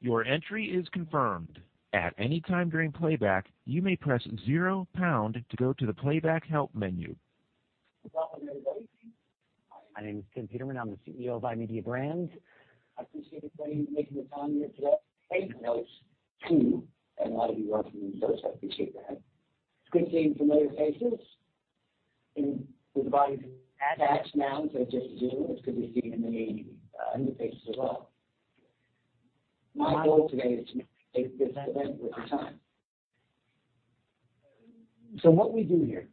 Your entry is confirmed. At any time during playback, you may press zero pound to go to the playback help menu. Welcome, everybody. My name is Tim Peterman. I'm the CEO of iMedia Brands. I appreciate everybody making the time here today. Take notes too. A lot of you are taking notes. I appreciate that. It's good seeing familiar faces with bodies attached now to just Zoom. It's good to see many new faces as well. My goal today is to make this event worth your time. What we do here,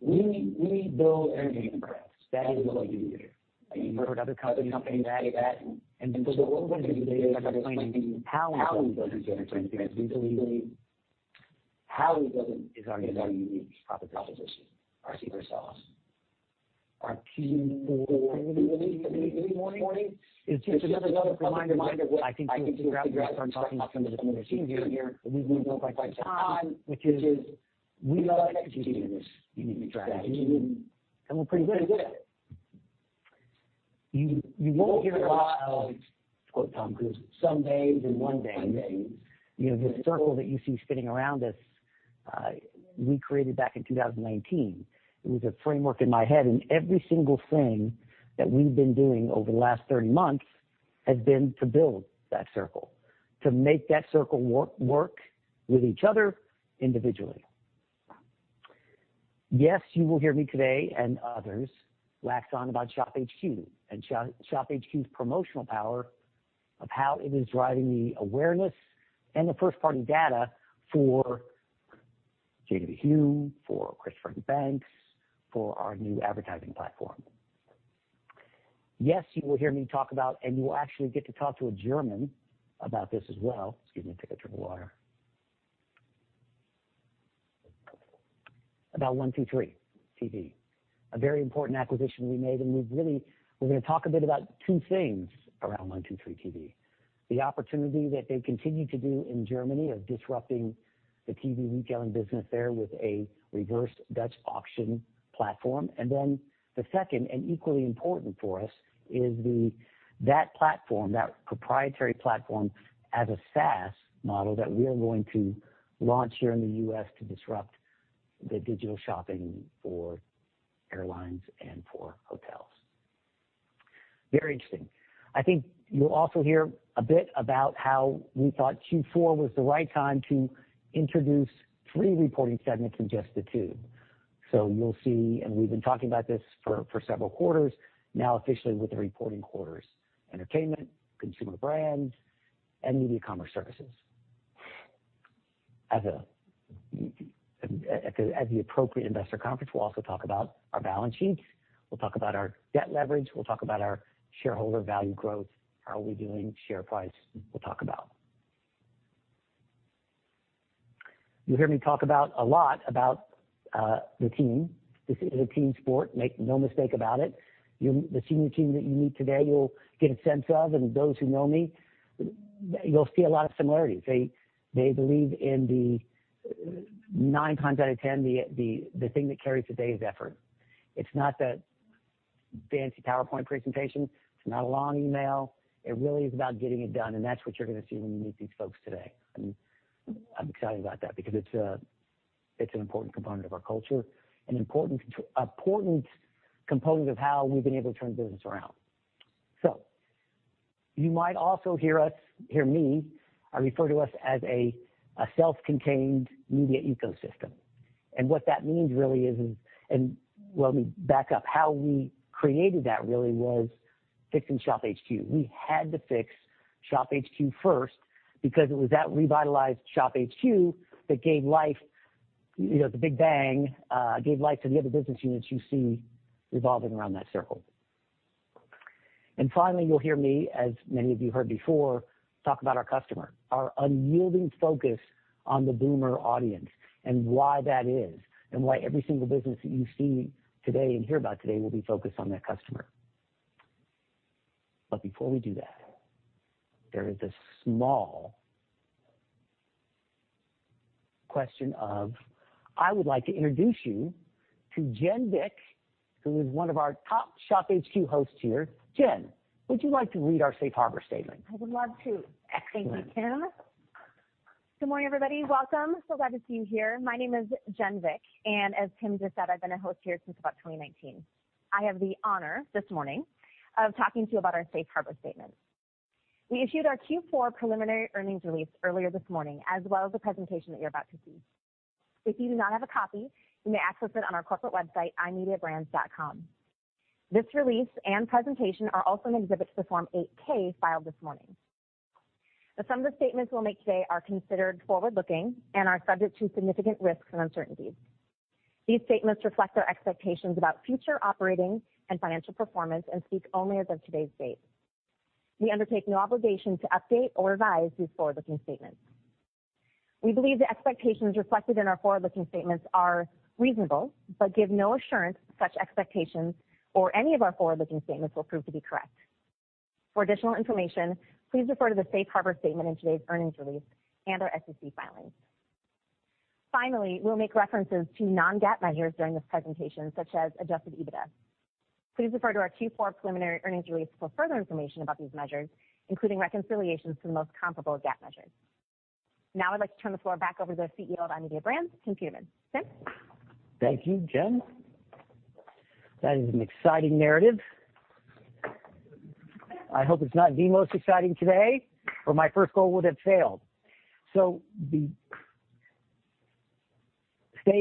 we build entertainment brands. That is what we do here. You've heard other companies say that and that. What we're gonna do today is explain to you how we build entertainment brands. We believe how we build them is our unique proposition, our secret sauce. Our Q4 earnings release this morning is just another reminder of what I think we need to wrap our heads around talking to some of the new teams here. We've been built quite some time, which is we are executing this unique strategy and we're pretty good at it. You won't hear a lot of, to quote Tom Cruise, some days and one day. You know, this circle that you see spinning around us, we created back in 2019. It was a framework in my head, and every single thing that we've been doing over the last 30 months has been to build that circle, to make that circle work with each other individually. Yes, you will hear me today and others wax on about ShopHQ and ShopHQ's promotional power of how it is driving the awareness and the first-party data for J.W. Huge for Christopher & Banks, for our new advertising platform. Yes, you will hear me talk about, and you will actually get to talk to a German about this as well. Excuse me, take a drink of water. About 1-2-3.tv, a very important acquisition we made. We're gonna talk a bit about two things around 1-2-3.tv. The opportunity that they continue to do in Germany of disrupting the TV retailing business there with a reverse Dutch auction platform. Then the second, and equally important for us, is that platform, that proprietary platform as a SaaS model that we are going to launch here in the U.S. to disrupt the digital shopping for airlines and for hotels. Very interesting. I think you'll also hear a bit about how we thought Q4 was the right time to introduce three reporting segments from just the two. You'll see, and we've been talking about this for several quarters now officially with the reporting quarters, Entertainment, Consumer Brands, and Media Commerce Services. At the appropriate investor conference, we'll also talk about our balance sheets. We'll talk about our debt leverage. We'll talk about our shareholder value growth, how we are doing, share price. You'll hear me talk a lot about the team. This is a team sport. Make no mistake about it. The senior team that you meet today, you'll get a sense of. Those who know me, you'll see a lot of similarities. They believe in the nine times out of ten, the thing that carries the day is effort. It's not the fancy PowerPoint presentation. It's not a long email. It really is about getting it done. That's what you're gonna see when you meet these folks today. I'm excited about that because it's an important component of our culture, important component of how we've been able to turn the business around. You might also hear me refer to us as a self-contained media ecosystem. What that means really is. Let me back up. How we created that really was fixing ShopHQ. We had to fix ShopHQ first because it was that revitalized ShopHQ that gave life, you know, the big bang, gave life to the other business units you see revolving around that circle. Finally, you'll hear me, as many of you heard before, talk about our customer, our unyielding focus on the boomer audience and why that is, and why every single business that you see today and hear about today will be focused on that customer. Before we do that, there is a small question of I would like to introduce you to Jen Vick, who is one of our top ShopHQ hosts here. Jen, would you like to read our safe harbor statement? I would love to. Thank you, Tim. Good morning, everybody. Welcome. So glad to see you here. My name is Jen Vick, and as Tim just said, I've been a host here since about 2019. I have the honor this morning of talking to you about our safe harbor statement. We issued our Q4 preliminary earnings release earlier this morning, as well as the presentation that you're about to see. If you do not have a copy, you may access it on our corporate website, imediabrands.com. This release and presentation are also an exhibit to the Form 8-K filed this morning. Some of the statements we'll make today are considered forward-looking and are subject to significant risks and uncertainties. These statements reflect our expectations about future operating and financial performance and speak only as of today's date. We undertake no obligation to update or revise these forward-looking statements. We believe the expectations reflected in our forward-looking statements are reasonable but give no assurance such expectations or any of our forward-looking statements will prove to be correct. For additional information, please refer to the safe harbor statement in today's earnings release and our SEC filings. Finally, we'll make references to non-GAAP measures during this presentation, such as Adjusted EBITDA. Please refer to our 2024 preliminary earnings release for further information about these measures, including reconciliations to the most comparable GAAP measure. Now I'd like to turn the floor back over to the CEO of iMedia Brands, Tim Peterman. Tim? Thank you, Jen. That is an exciting narrative. I hope it's not the most exciting today, or my first goal would have failed. Stay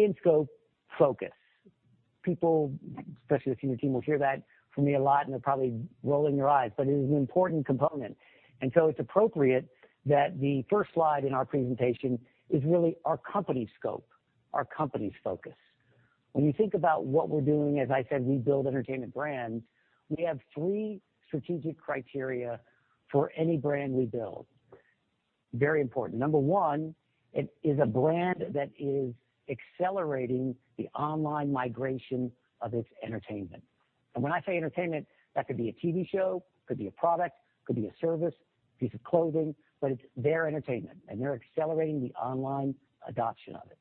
in scope, focus. People, especially the senior team, will hear that from me a lot, and they're probably rolling their eyes, but it is an important component. It's appropriate that the first slide in our presentation is really our company's scope, our company's focus. When you think about what we're doing, as I said, we build entertainment brands. We have three strategic criteria for any brand we build. Very important. Number one, it is a brand that is accelerating the online migration of its entertainment. When I say entertainment, that could be a TV show, could be a product, could be a service, piece of clothing, but it's their entertainment, and they're accelerating the online adoption of it.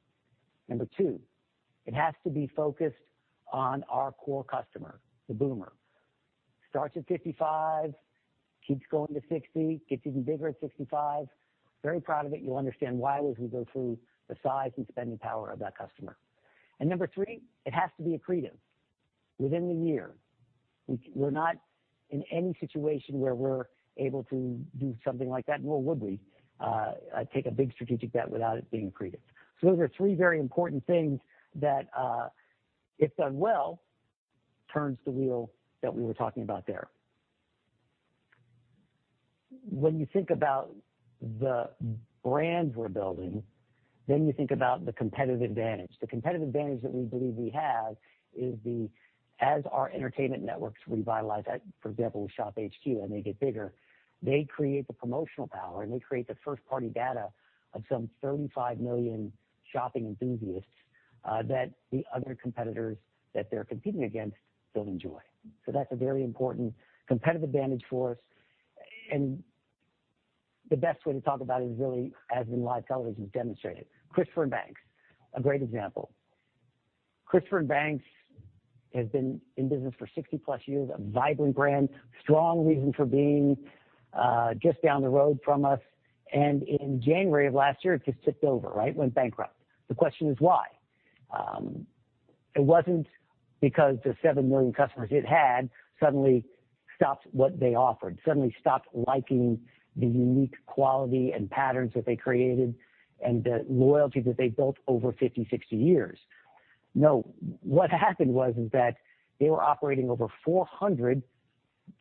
Number two, it has to be focused on our core customer, the boomer. Starts at 55, keeps going to 60, gets even bigger at 65. Very proud of it. You'll understand why as we go through the size and spending power of that customer. Number three, it has to be accretive within the year. We're not in any situation where we're able to do something like that, nor would we take a big strategic bet without it being accretive. Those are three very important things that, if done well, turns the wheel that we were talking about there. When you think about the brands we're building, then you think about the competitive advantage. The competitive advantage that we believe we have is the, as our entertainment networks revitalize that, for example, with ShopHQ and they get bigger, they create the promotional power, and they create the first-party data of some 35 million shopping enthusiasts, that the other competitors that they're competing against don't enjoy. That's a very important competitive advantage for us. The best way to talk about it is really as in live television demonstrated. Christopher & Banks, a great example. Christopher & Banks has been in business for 60-plus years, a vibrant brand, strong reason for being, just down the road from us. In January of last year, it just tipped over, right. Went bankrupt. The question is why? It wasn't because the 7 million customers it had suddenly stopped what they offered, suddenly stopped liking the unique quality and patterns that they created and the loyalty that they built over 50, 60 years. No. What happened was that they were operating over 400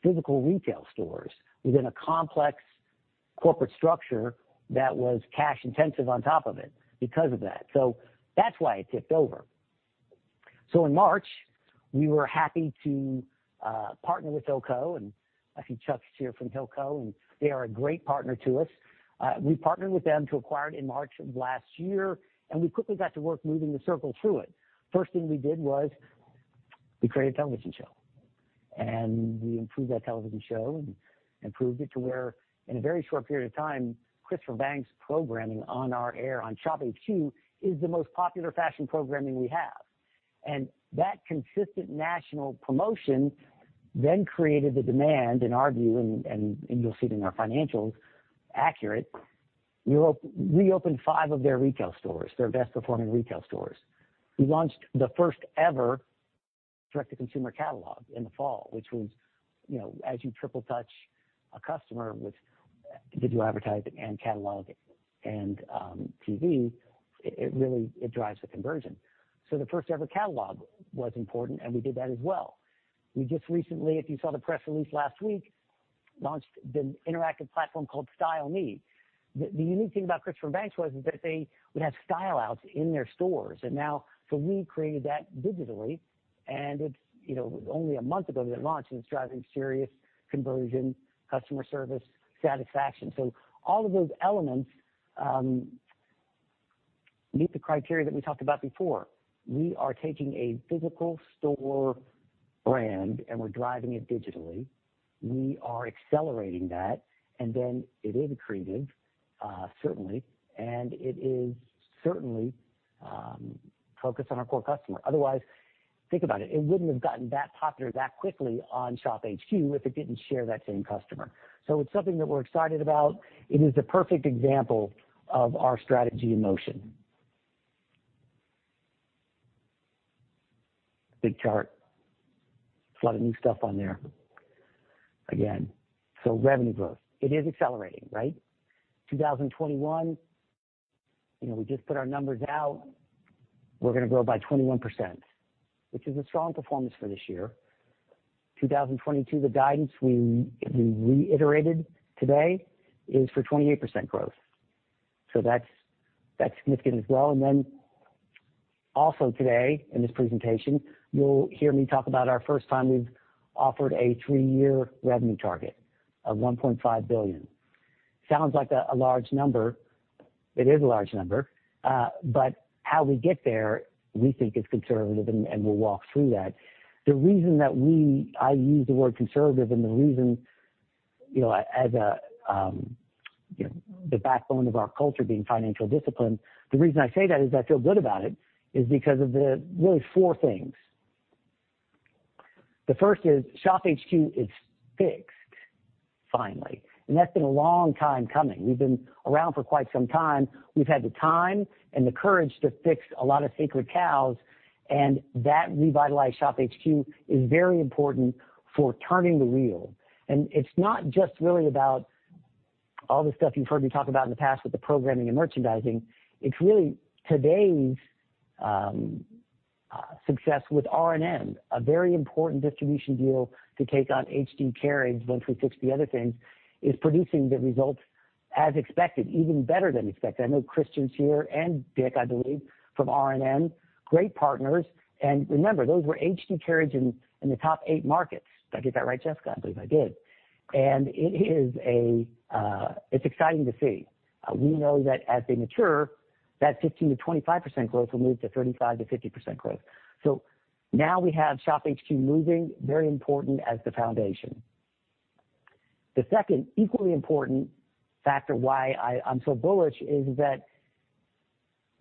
physical retail stores within a complex corporate structure that was cash intensive on top of it because of that. That's why it tipped over. In March, we were happy to partner with Hilco, and I see Chuck's here from Hilco, and they are a great partner to us. We partnered with them to acquire it in March of last year, and we quickly got to work moving the circle through it. First thing we did was we created a television show, and we improved that television show and improved it to where in a very short period of time, Christopher & Banks programming on our air on ShopHQ is the most popular fashion programming we have. That consistent national promotion then created the demand, in our view, and you'll see it in our financials accurate. We opened five of their retail stores, their best-performing retail stores. We launched the first-ever direct-to-consumer catalog in the fall, which was, you know, as you triple touch a customer with video advertising and catalog and TV, it really drives the conversion. The first-ever catalog was important, and we did that as well. We just recently, if you saw the press release last week, launched an interactive platform called Style Me. The unique thing about Christopher & Banks was that they would have style outs in their stores. Now we created that digitally, and it's, you know, only a month ago that it launched, and it's driving serious conversion, customer service satisfaction. All of those elements meet the criteria that we talked about before. We are taking a physical store brand, and we're driving it digitally. We are accelerating that, and then it is accretive, certainly, and it is certainly focused on our core customer. Otherwise, think about it. It wouldn't have gotten that popular that quickly on ShopHQ if it didn't share that same customer. It's something that we're excited about. It is the perfect example of our strategy in motion. Big chart. A lot of new stuff on there. Again, revenue growth, it is accelerating, right? 2021, you know, we just put our numbers out. We're gonna grow by 21%, which is a strong performance for this year. 2022, the guidance we reiterated today is for 28% growth. That's significant as well. Also today in this presentation, you'll hear me talk about our first time we've offered a three-year revenue target of $1.5 billion. Sounds like a large number. It is a large number. How we get there, we think is conservative and we'll walk through that. The reason that I use the word conservative and the reason, you know, as a, you know, the backbone of our culture being financial discipline, the reason I say that is I feel good about it is because of the really four things. The first is ShopHQ is fixed finally, and that's been a long time coming. We've been around for quite some time. We've had the time and the courage to fix a lot of sacred cows, and that revitalized ShopHQ is very important for turning the wheel. It's not just really about all the stuff you've heard me talk about in the past with the programming and merchandising. It's really today's success with RNN, a very important distribution deal to take on HD carriage once we fixed the other things, is producing the results as expected, even better than expected. I know Christian's here and Dick, I believe, from RNN, great partners. Remember, those were HD carriage in the top eight markets. Did I get that right, Jessica? I believe I did. It is exciting to see. We know that as they mature, that 15%-25% growth will move to 35%-50% growth. Now we have ShopHQ moving, very important as the foundation. The second equally important factor why I'm so bullish is that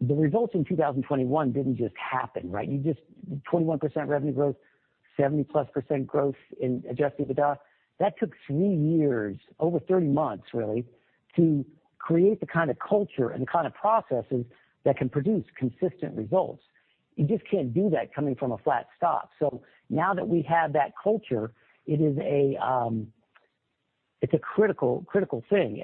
the results in 2021 didn't just happen, right? 21% revenue growth, 70%+ growth in Adjusted EBITDA. That took 3 years, over 30 months really, to create the kind of culture and the kind of processes that can produce consistent results. You just can't do that coming from a flat stop. Now that we have that culture, it is a, it's a critical thing.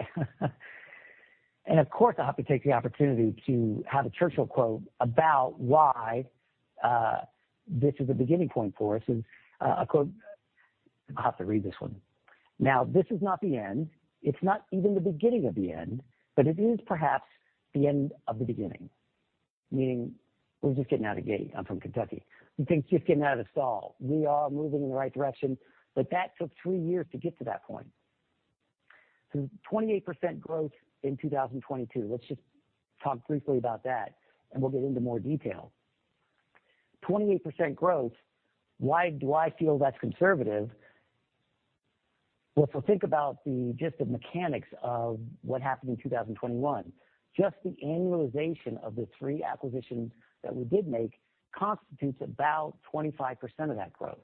Of course, I have to take the opportunity to have a Churchill quote about why this is a beginning point for us, is a quote. I'll have to read this one. Now, this is not the end. It's not even the beginning of the end. But it is perhaps the end of the beginning." Meaning we're just getting out of the gate. I'm from Kentucky. We're just getting out of the stall. We are moving in the right direction, but that took 3 years to get to that point. 28% growth in 2022. Let's just talk briefly about that, and we'll get into more detail. 28% growth, why do I feel that's conservative? Well, if you think about the gist of mechanics of what happened in 2021, just the annualization of the 3 acquisitions that we did make constitutes about 25% of that growth.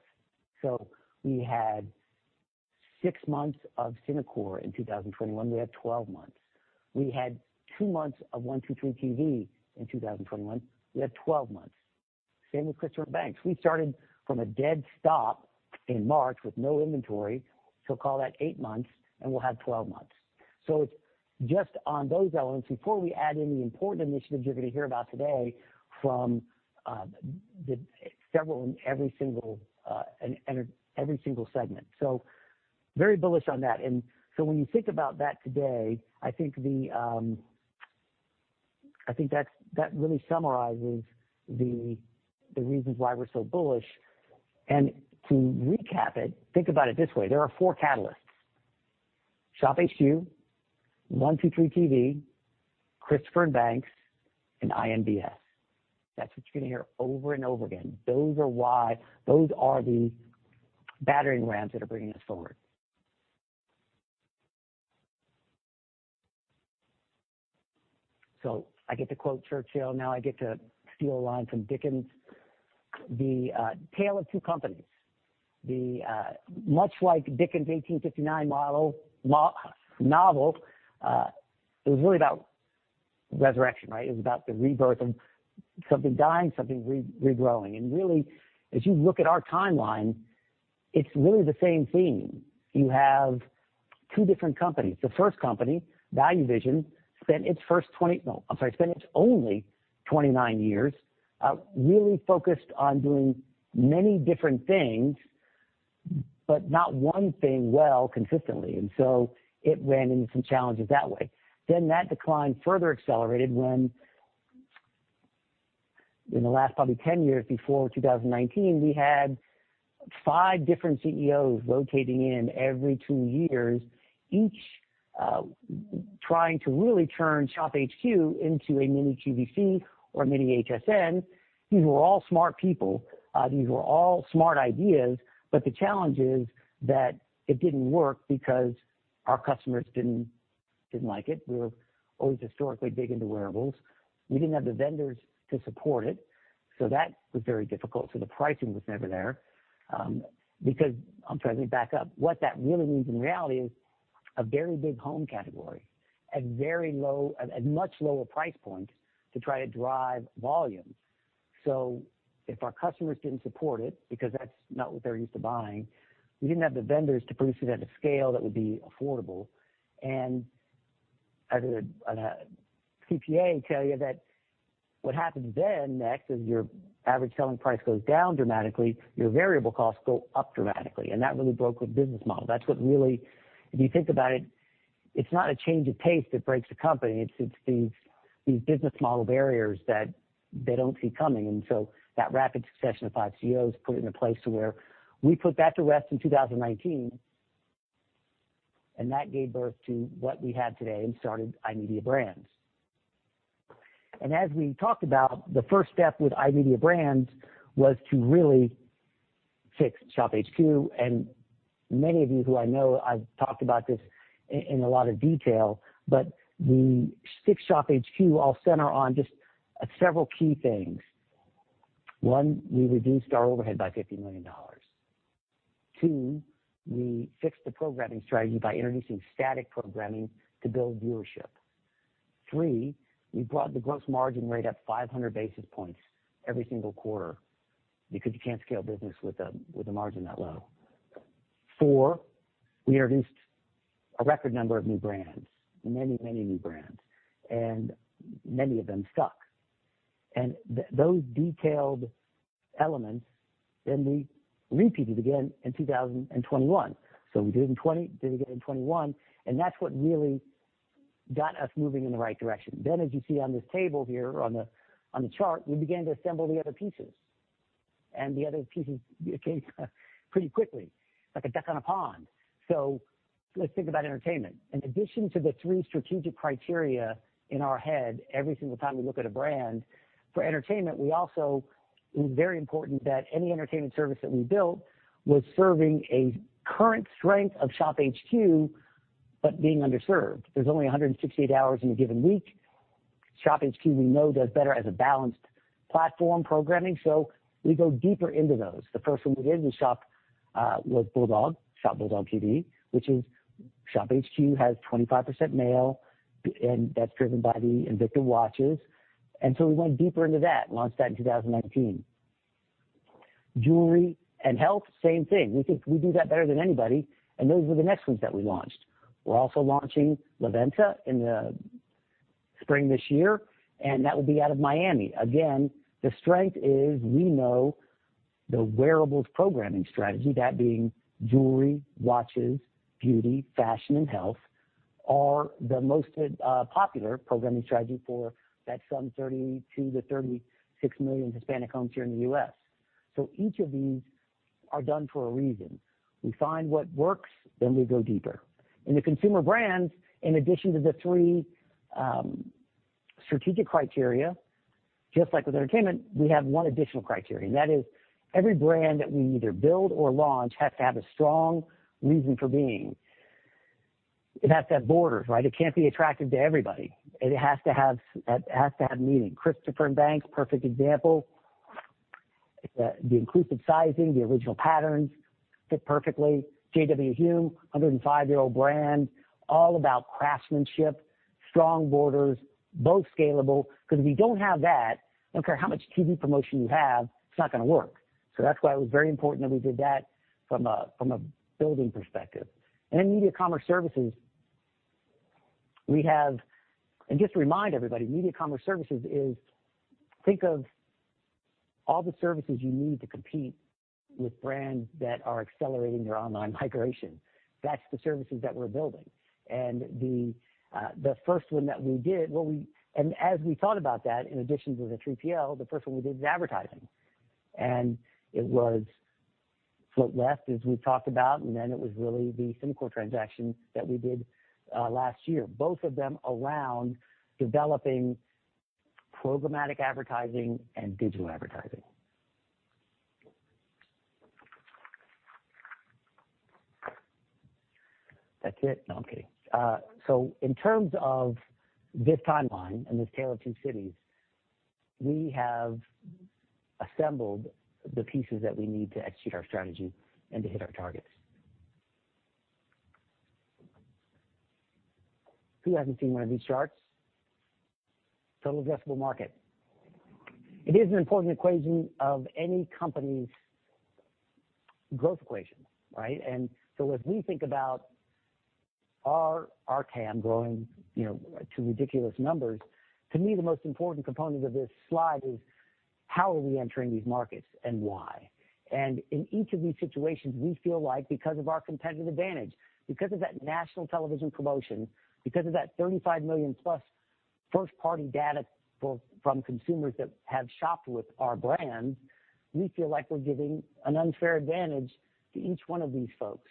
We had 6 months of Synacor in 2021. We had 12 months. We had 2 months of 1-2-3.tv in 2021. We had 12 months. Same with Christopher & Banks. We started from a dead stop in March with no inventory. Call that 8 months, and we'll have 12 months. It's just on those elements before we add in the important initiatives you're gonna hear about today from the several in every single segment. Very bullish on that. When you think about that today, I think the, I think that really summarizes the reasons why we're so bullish. To recap it, think about it this way. There are four catalysts, ShopHQ, 1-2-3.tv, Christopher & Banks, and INBS. That's what you're gonna hear over and over again. Those are why. Those are the battering rams that are bringing us forward. I get to quote Churchill. Now I get to steal a line from Dickens, the Tale of Two Companies. Much like Dickens' 1859 novel, it was really about resurrection, right? It was about the rebirth of something dying, something regrowing. Really, as you look at our timeline, it's really the same theme. You have two different companies. The first company, ValueVision, spent its only 29 years really focused on doing many different things, but not one thing well consistently. It ran into some challenges that way. That decline further accelerated when in the last probably 10 years before 2019, we had five different CEOs rotating in every two years, each trying to really turn ShopHQ into a mini QVC or a mini HSN. These were all smart people. These were all smart ideas. The challenge is that it didn't work because our customers didn't like it. We were always historically big into wearables. We didn't have the vendors to support it, so that was very difficult. The pricing was never there. I'm sorry, let me back up. What that really means in reality is a very big home category at much lower price points to try to drive volume. If our customers didn't support it, because that's not what they're used to buying, we didn't have the vendors to produce it at a scale that would be affordable. As a CPA can tell you, what happens next is your average selling price goes down dramatically, your variable costs go up dramatically. That really broke the business model. That's what really, if you think about it's not a change of pace that breaks the company. It's these business model barriers that they don't see coming. That rapid succession of five CEOs put it in a place to where we put that to rest in 2019. That gave birth to what we have today and started iMedia Brands. As we talked about, the first step with iMedia Brands was to really fix ShopHQ. Many of you who I know I've talked about this in a lot of detail, but since ShopHQ, I'll center on just several key things. One, we reduced our overhead by $50 million. Two, we fixed the programming strategy by introducing static programming to build viewership. Three, we brought the gross margin rate up 500 basis points every single quarter because you can't scale business with a margin that low. Four, we introduced a record number of new brands, many, many new brands, and many of them stuck. Those detailed elements, we repeated again in 2021. We did it in 2020, did it again in 2021, and that's what really got us moving in the right direction. As you see on this table here on the chart, we began to assemble the other pieces. The other pieces came pretty quickly like a duck on a pond. Let's think about entertainment. In addition to the three strategic criteria in our head, every single time we look at a brand for entertainment, it was very important that any entertainment service that we built was serving a current strength of ShopHQ but being underserved. There's only 168 hours in a given week. ShopHQ, we know, does better as a balanced platform programming, so we go deeper into those. The first one we did was Bulldog, ShopBulldogTV, which is ShopHQ has 25% male, and that's driven by the Invicta watches. We went deeper into that and launched that in 2019. Jewelry and health, same thing. We think we do that better than anybody, and those were the next ones that we launched. We're also launching LaVenta in the spring this year, and that will be out of Miami. Again, the strength is we know the wearables programming strategy, that being jewelry, watches, beauty, fashion, and health, are the most popular programming strategy for that some 32-36 million Hispanic homes here in the U.S. Each of these are done for a reason. We find what works, then we go deeper. In the consumer brands, in addition to the three strategic criteria, just like with entertainment, we have one additional criterion. That is every brand that we either build or launch has to have a strong reason for being. It has to have borders, right? It can't be attractive to everybody. It has to have meaning. Christopher & Banks, perfect example. The inclusive sizing, the original patterns fit perfectly. J.W. Hulme, 105-year-old brand, all about craftsmanship, strong borders, both scalable. 'Cause if you don't have that, I don't care how much TV promotion you have, it's not gonna work. That's why it was very important that we did that from a building perspective. Media Commerce Services, we have. Just to remind everybody, Media Commerce Services is, think of all the services you need to compete with brands that are accelerating their online migration. That's the services that we're building. The first one that we did as we thought about that, in addition to the 3PL, the first one we did was advertising. It was Float Left, as we've talked about, and then it was really the Synacor transaction that we did last year, both of them around developing programmatic advertising and digital advertising. That's it. No, I'm kidding. In terms of this timeline and this Tale of Two Cities, we have assembled the pieces that we need to execute our strategy and to hit our targets. Who hasn't seen one of these charts? Total Addressable Market. It is an important equation of any company's growth equation, right? As we think about our TAM growing, you know, to ridiculous numbers, to me, the most important component of this slide is how are we entering these markets and why. In each of these situations, we feel like because of our competitive advantage, because of that national television promotion, because of that 35 million-plus first-party data from consumers that have shopped with our brands, we feel like we're giving an unfair advantage to each one of these folks.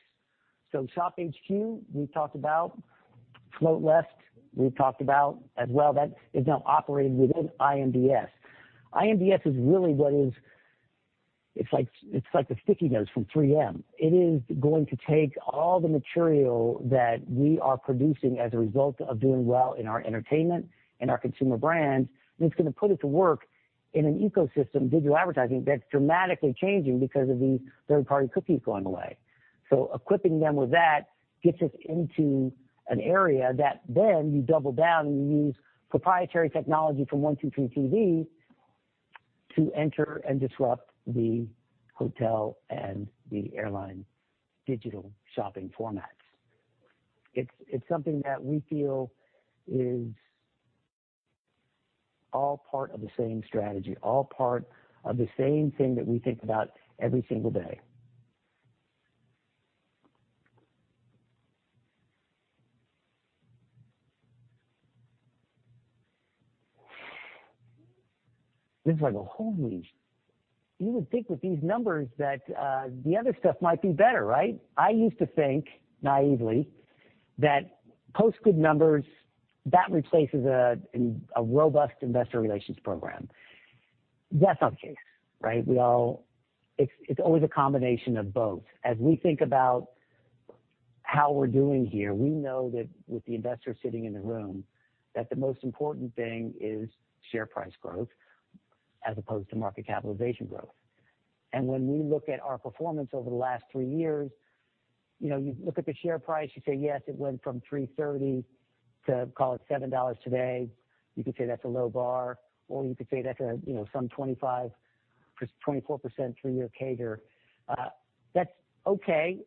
ShopHQ, we've talked about. Float Left, we've talked about as well. That is now operated within IMDS. IMDS is really. It's like the sticky notes from 3M. It is going to take all the material that we are producing as a result of doing well in our entertainment and our consumer brands, and it's gonna put it to work in an ecosystem, digital advertising, that's dramatically changing because of these third-party cookies going away. Equipping them with that gets us into an area that then you double down, and you use proprietary technology from 1-2-3.tv to enter and disrupt the hotel and the airline digital shopping formats. It's something that we feel is all part of the same strategy, all part of the same thing that we think about every single day. This is like a holy sh-- You would think with these numbers that, the other stuff might be better, right? I used to think naively that post good numbers, that replaces a robust investor relations program. That's not the case, right? We all. It's always a combination of both. As we think about how we're doing here, we know that with the investors sitting in the room, that the most important thing is share price growth as opposed to market capitalization growth. When we look at our performance over the last three years, you know, you look at the share price, you say, yes, it went from $3.30 to call it $7 today. You could say that's a low bar, or you could say that's a, you know, some 24% 3-year CAGR. That's okay.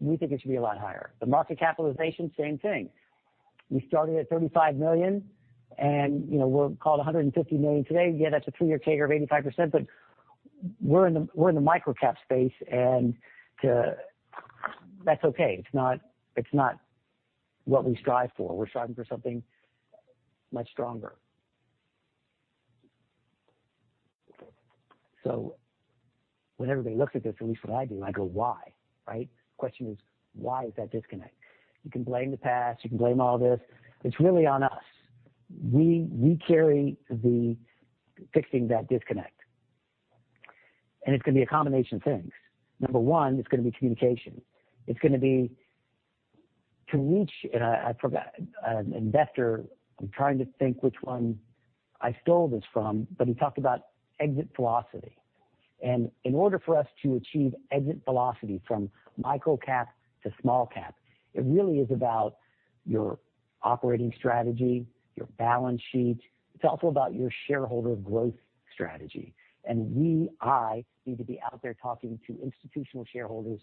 We think it should be a lot higher. The market capitalization, same thing. We started at $35 million and, you know, we're called $150 million today. Yeah, that's a three-year CAGR of 85%, but we're in the micro-cap space, and that's okay. It's not what we strive for. We're striving for something much stronger. When everybody looks at this, at least what I do, I go, why, right? The question is why is that disconnect? You can blame the past, you can blame all this. It's really on us. We carry the fixing that disconnect. It's gonna be a combination of things. Number one, it's gonna be communication. It's gonna be to reach. I forgot an investor. I'm trying to think which one I stole this from, but he talked about exit velocity. In order for us to achieve exit velocity from micro-cap to small cap, it really is about your operating strategy, your balance sheet. It's also about your shareholder growth strategy. I need to be out there talking to institutional shareholders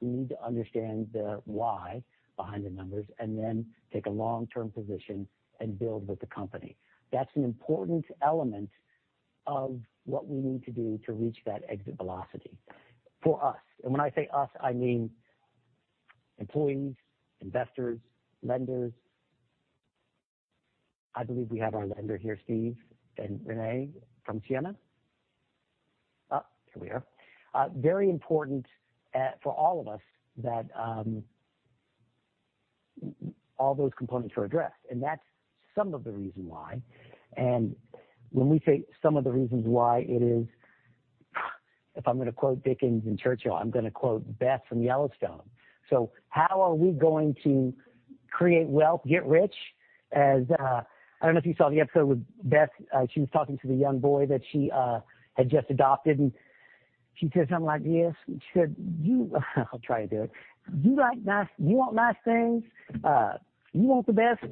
who need to understand the why behind the numbers and then take a long-term position and build with the company. That's an important element of what we need to do to reach that exit velocity for us. When I say us, I mean employees, investors, lenders. I believe we have our lender here, Steve and Renee from Siena. Very important for all of us that all those components are addressed. That's some of the reason why. When we say some of the reasons why it is, if I'm gonna quote Dickens and Churchill, I'm gonna quote Beth from Yellowstone. How are we going to create wealth, get rich? I don't know if you saw the episode with Beth. She was talking to the young boy that she had just adopted, and she said something like this. She said, "You want nice things. You want the best.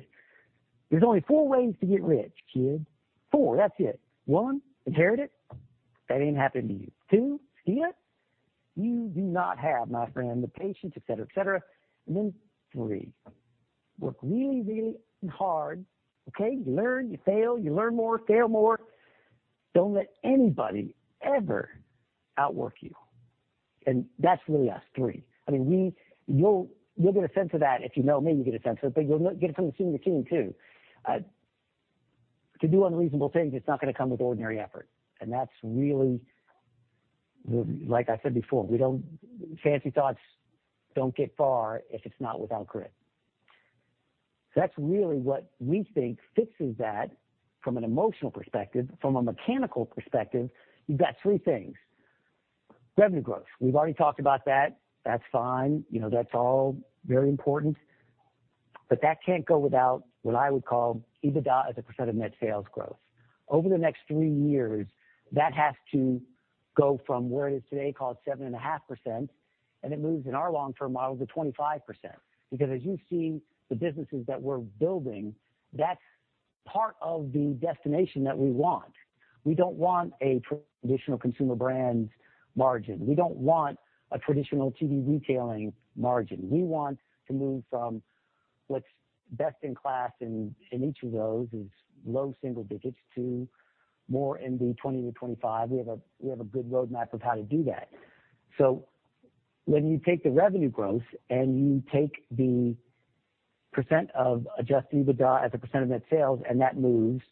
There's only four ways to get rich, kid. Four, that's it. One, inherit it. That ain't happening to you. Two, steal it. You do not have, my friend, the patience," et cetera, et cetera. "And then three, work really, really hard, okay? You learn, you fail, you learn more, fail more. Don't let anybody ever outwork you." That's really us, three. I mean, you'll get a sense of that. If you know me, you get a sense of it, but you'll get a sense of the senior team too. To do unreasonable things, it's not gonna come with ordinary effort. Like I said before, fancy thoughts don't get far if it's not with our grit. That's really what we think fixes that from an emotional perspective. From a mechanical perspective, you've got three things. Revenue growth. We've already talked about that. That's fine. You know, that's all very important. that can't go without what I would call EBITDA as a percent of net sales growth. Over the next three years, that has to go from where it is today, call it 7.5%, and it moves in our long term model to 25%. Because as you see the businesses that we're building, that's part of the destination that we want. We don't want a traditional consumer brands margin. We don't want a traditional TV retailing margin. We want to move from what's best in class in each of those is low single digits to more in the 20%-25%. We have a good roadmap of how to do that. When you take the revenue growth and you take the percent of Adjusted EBITDA as a percent of net sales, and that moves,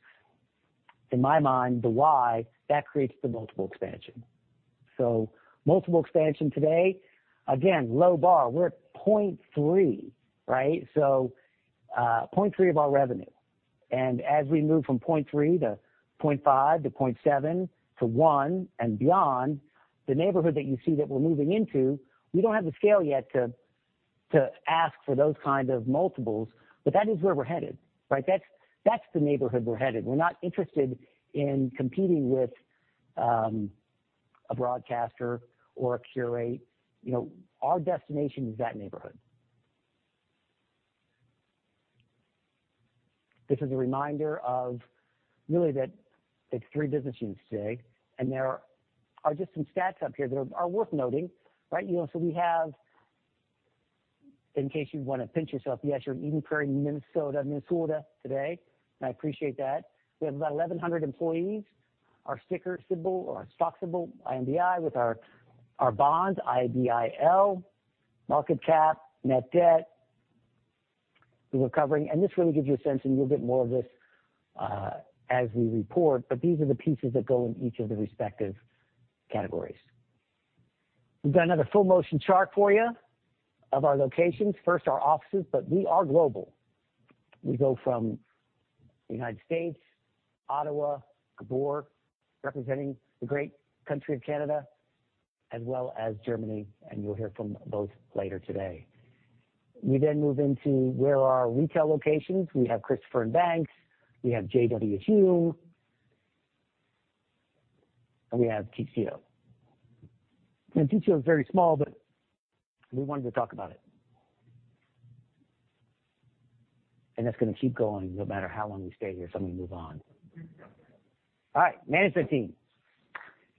in my mind, the why, that creates the multiple expansion. Multiple expansion today, again, low bar, we're at 0.3, right? 0.3 of our revenue. As we move from 0.3 to 0.5 to 0.7 to 1 and beyond, the neighborhood that you see that we're moving into, we don't have the scale yet to ask for those kind of multiples, but that is where we're headed, right? That's the neighborhood we're headed. We're not interested in competing with a broadcaster or Qurate. You know, our destination is that neighborhood. This is a reminder of really that it's three business units today. There are just some stats up here that are worth noting, right? You know, so we have. In case you wanna pinch yourself, yes, you're in Eden Prairie, Minnesota today, and I appreciate that. We have about 1,100 employees. Our ticker symbol or our stock symbol, IMBI, with our bond IMBIL, market cap, net debt we're covering. This really gives you a sense, and you'll get more of this, as we report, but these are the pieces that go in each of the respective categories. We've got another full motion chart for you of our locations. First, our offices, but we are global. We go from United States, Ottawa, Gatineau, representing the great country of Canada, as well as Germany, and you'll hear from both later today. We then move into where our retail locations. We have Christopher & Banks, we have J.W. Hulme, and we have Tissot. Tissot is very small, but we wanted to talk about it. That's gonna keep going no matter how long we stay here, so I'm gonna move on. All right. Management team.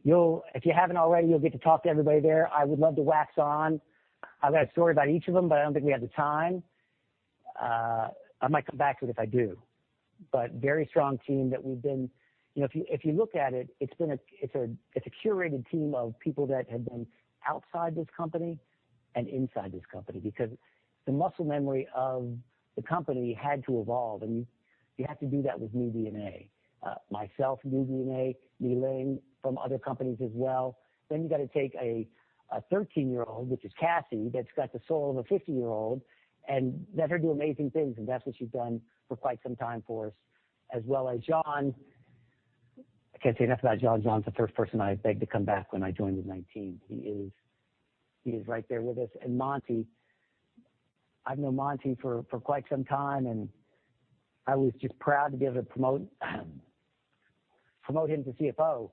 If you haven't already, you'll get to talk to everybody there. I would love to wax on. I've got a story about each of them, but I don't think we have the time. I might come back to it if I do. Very strong team that we've been. You know, if you look at it's a curated team of people that have been outside this company and inside this company because the muscle memory of the company had to evolve, and you have to do that with new DNA. Myself, new DNA. Yi Ling from other companies as well. Then you got to take a 13-year-old, which is Cassie, that's got the soul of a 50-year-old and let her do amazing things, and that's what she's done for quite some time for us, as well as John. I can't say enough about John. John's the first person I begged to come back when I joined in 2019. He is right there with us. Monty, I've known Monty for quite some time, and I was just proud to be able to promote him to CFO.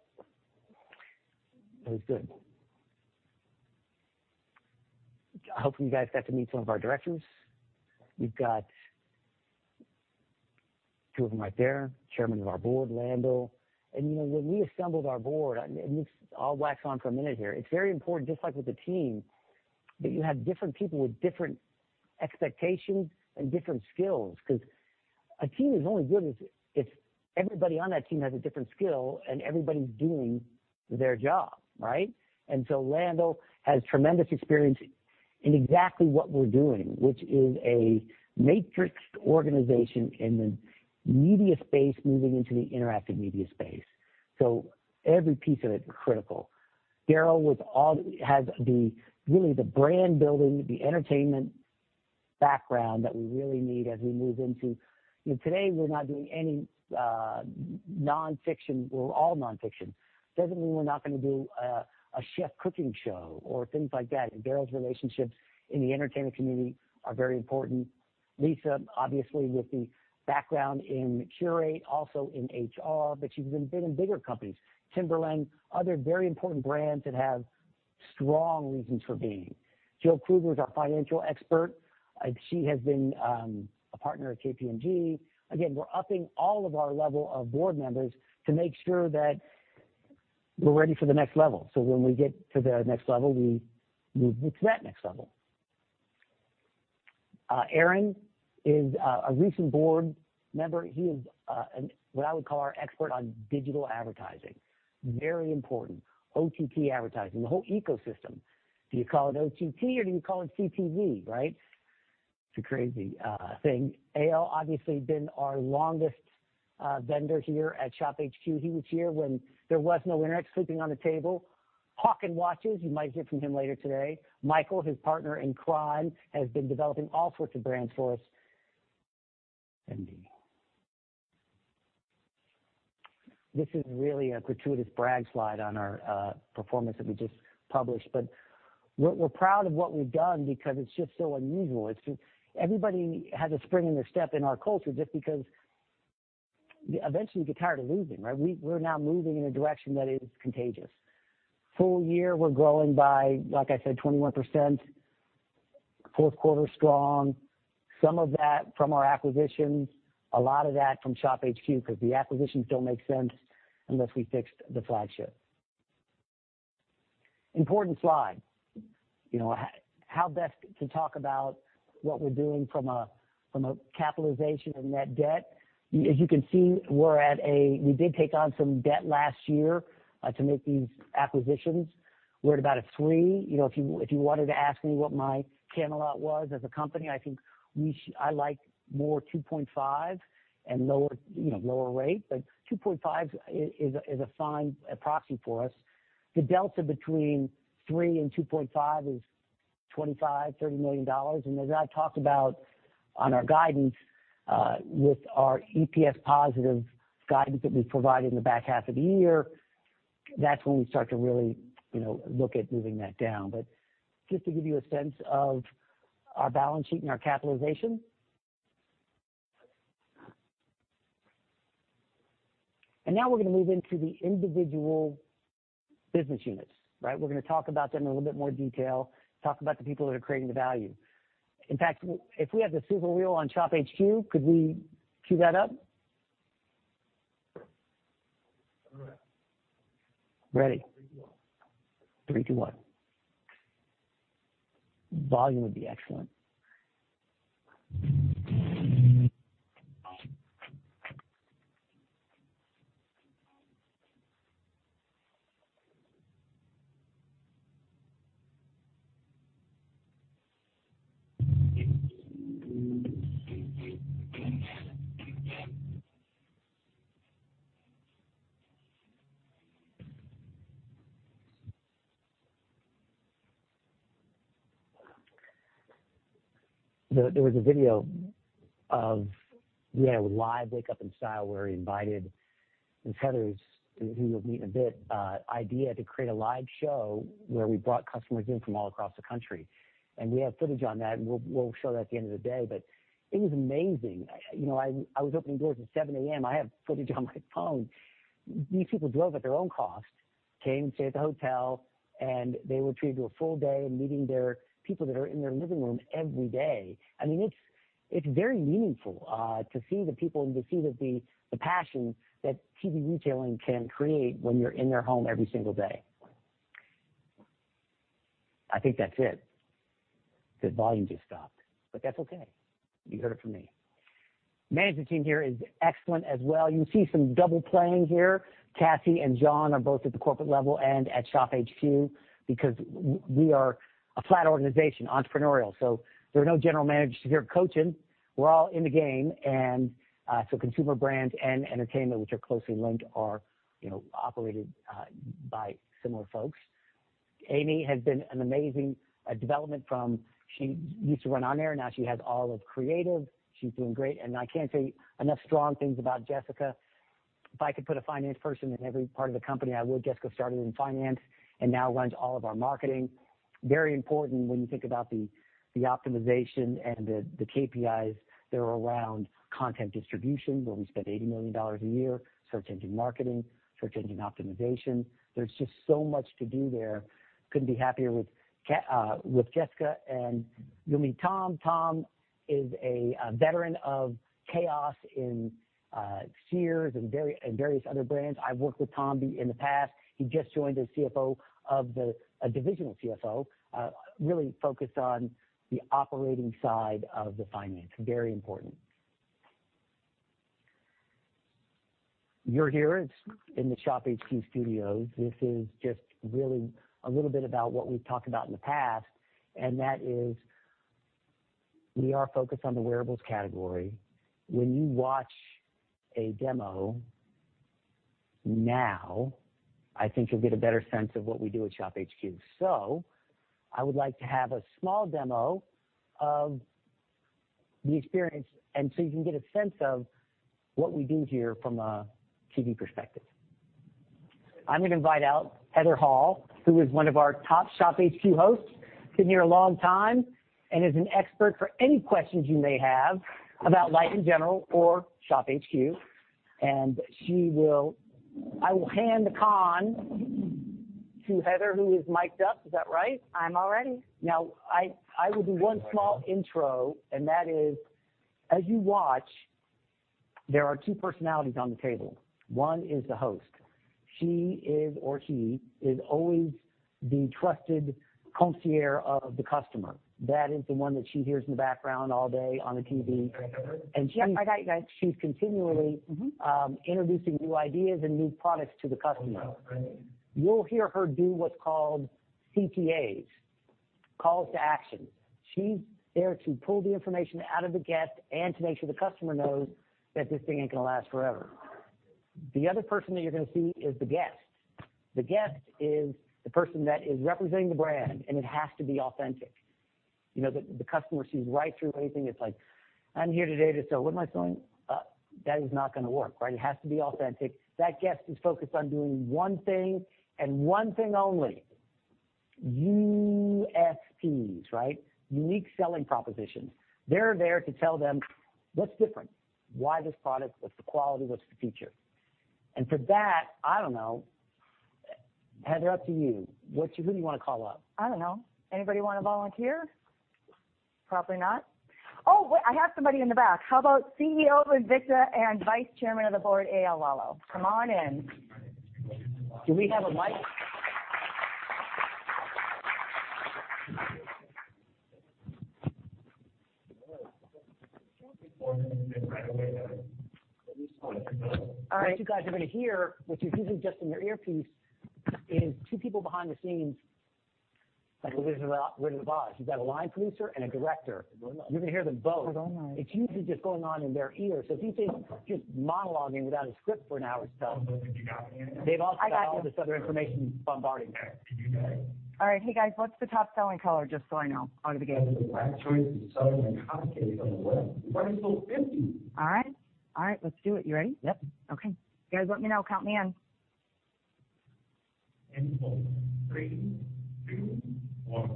It was good. I hope you guys got to meet some of our directors. We've got two of them right there, Chairman of our board, Lando. You know, when we assembled our board, and this. I'll wax on for a minute here. It's very important, just like with the team, that you have different people with different expectations and different skills. 'Cause a team is only as good as if everybody on that team has a different skill and everybody's doing their job, right? Lando has tremendous experience in exactly what we're doing, which is a matrixed organization in the media space, moving into the interactive media space. Every piece of it is critical. Darryl has the brand building, the entertainment background that we really need as we move into. You know, today we're not doing any nonfiction. We're all nonfiction. Doesn't mean we're not gonna do a chef cooking show or things like that. Darryl's relationships in the entertainment community are very important. Lisa, obviously, with the background in Qurate, also in HR, but she's been in bigger companies, Timberland, other very important brands that have strong reasons for being. Jill Krueger is our financial expert. She has been a partner at KPMG. Again, we're upping all of our level of board members to make sure that we're ready for the next level. When we get to the next level, we move to that next level. Aaron is a recent board member. He is what I would call our expert on digital advertising. Very important. OTT advertising, the whole ecosystem. Do you call it OTT or do you call it CTV, right? It's a crazy thing. Eyal obviously been our longest vendor here at ShopHQ. He was here when there was no internet, sleeping on the table. Hawking watches. You might hear from him later today. Michael, his partner in crime, has been developing all sorts of brands for us. This is really a gratuitous brag slide on our performance that we just published. We're proud of what we've done because it's just so unusual. It's just everybody has a spring in their step in our culture just because eventually you get tired of losing, right? We're now moving in a direction that is contagious. Full year, we're growing by, like I said, 21%. Q4, strong. Some of that from our acquisitions, a lot of that from ShopHQ, 'cause the acquisitions don't make sense unless we fixed the flagship. Important slide. You know, how best to talk about what we're doing from a capitalization of net debt. As you can see, we're at a. We did take on some debt last year to make these acquisitions. We're at about a three. You know, if you wanted to ask me what my Camelot was as a company, I think I like more 2.5 and lower, you know, lower rate. But 2.5 is a fine proxy for us. The delta between 3 and 2.5 is $25 million-$30 million. As I talked about on our guidance with our EPS positive guidance that we provide in the back half of the year, that's when we start to really, you know, look at moving that down. But just to give you a sense of our balance sheet and our capitalization. Now we're gonna move into the individual business units, right? We're gonna talk about them in a little bit more detail, talk about the people that are creating the value. In fact, if we have the Super Wheel on ShopHQ, could we queue that up? All right. Ready. Three, two, one .Volume would be excellent. There was a video of a live Wake Up in Style where we invited Heather's, who you'll meet in a bit, idea to create a live show where we brought customers in from all across the country. We have footage on that, and we'll show that at the end of the day. It was amazing. You know, I was opening doors at 7 A.M. I have footage on my phone. These people drove at their own cost, came, stayed at the hotel, and they were treated to a full day meeting their people that are in their living room every day. I mean, it's very meaningful to see the people and to see the passion that TV retailing can create when you're in their home every single day. I think that's it. The volume just stopped, but that's okay. You heard it from me. Management team here is excellent as well. You see some double playing here. Cassie and John are both at the corporate level and at ShopHQ because we are a flat organization, entrepreneurial, so there are no general managers here coaching. We're all in the game. Consumer brands and entertainment, which are closely linked, are, you know, operated by similar folks. Amy has been an amazing development from. She used to run on air, now she has all of creative. She's doing great, and I can't say enough strong things about Jessica. If I could put a finance person in every part of the company, I would. Jessica started in finance and now runs all of our marketing. Very important when you think about the optimization and the KPIs that are around content distribution, where we spend $80 million a year, search engine marketing, search engine optimization. There's just so much to do there. Couldn't be happier with Jessica. You'll meet Tom. Tom is a veteran of chaos in Sears and various other brands. I've worked with Tom in the past. He just joined as a divisional CFO, really focused on the operating side of the finance. Very important. You're here. It's in the ShopHQ studios. This is just really a little bit about what we've talked about in the past, and that is we are focused on the wearables category. When you watch a demo now, I think you'll get a better sense of what we do at ShopHQ. I would like to have a small demo of the experience, and so you can get a sense of what we do here from a TV perspective. I'm gonna invite out Heather Hall, who is one of our top ShopHQ hosts, been here a long time, and is an expert for any questions you may have about life in general or ShopHQ. She will. I will hand the mic to Heather, who is miked up. Is that right? I'm all ready. Now, I will do one small intro, and that is, as you watch, there are two personalities on the table. One is the host. She is or he is always the trusted concierge of the customer. That is the one that she hears in the background all day on the TV. Yeah, I got you, guys. She's continually- Mm-hmm. Introducing new ideas and new products to the customer. You'll hear her do what's called CTAs, calls to action. She's there to pull the information out of the guest and to make sure the customer knows that this thing ain't gonna last forever. The other person that you're gonna see is the guest. The guest is the person that is representing the brand, and it has to be authentic. You know, the customer sees right through anything that's like, "I'm here today to sell. What am I selling?" That is not gonna work, right? It has to be authentic. That guest is focused on doing one thing and one thing only. USPs, right? Unique selling propositions. They're there to tell them what's different, why this product, what's the quality, what's the feature. For that, I don't know, Heather, up to you. What you... Who do you wanna call up? I don't know. Anybody wanna volunteer? Probably not. Oh, wait, I have somebody in the back. How about CEO of Invicta and Vice Chairman of the board, Eyal Lalo. Come on in. Do we have a mic? All right. What you guys are gonna hear, what you're hearing just in your earpiece is two people behind the scenes, like The Wizard of Oz. You've got a line producer and a director. You're gonna hear them both. It's usually just going on in their ears. If you hear just monologuing without a script for an hour, it's them. They've also got all this other information bombarding them. All right. Hey, guys, what's the top-selling color, just so I know out of the gate? Black choice. When it comes to the watch, we're running still $50. All right, let's do it. You ready? Yep. Okay. You guys let me know. Count me in. Three, two, one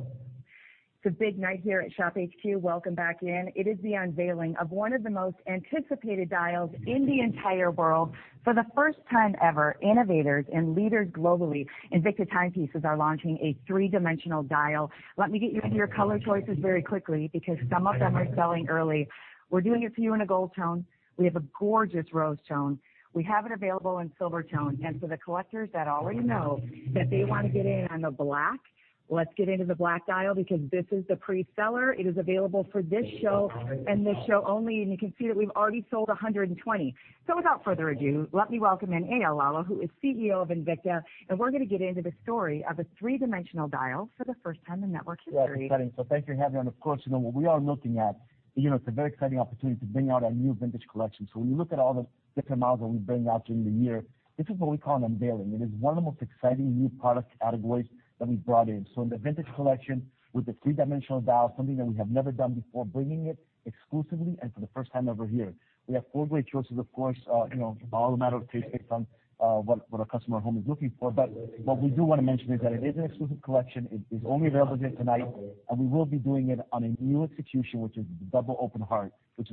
It's a big night here at ShopHQ. Welcome back in. It is the unveiling of one of the most anticipated dials in the entire world. For the first time ever, innovators and leaders globally, Invicta Timepieces are launching a three-dimensional dial. Let me get you into your color choices very quickly because some of them are selling early. We're doing it for you in a gold tone. We have a gorgeous rose tone. We have it available in silver tone. For the collectors that already know that they want to get in on the black, let's get into the black dial because this is the pre-seller. It is available for this show and this show only, and you can see that we've already sold 120. Without further ado, let me welcome in Eyal Lalo, who is CEO of Invicta, and we're gonna get into the story of a three-dimensional dial for the first time in network history. Yeah, exciting. Thank you for having me on. Of course, you know what we are looking at, you know it's a very exciting opportunity to bring out our new vintage collection. When you look at all the different models that we bring out during the year, this is what we call an unveiling. It is one of the most exciting new product categories that we've brought in. In the vintage collection with the three-dimensional dial, something that we have never done before, bringing it exclusively and for the first time ever here. We have four great choices. Of course, you know, all a matter of taste based on, what a customer at home is looking for. What we do wanna mention is that it is an exclusive collection. It is only available here tonight, and we will be doing it on a new execution, which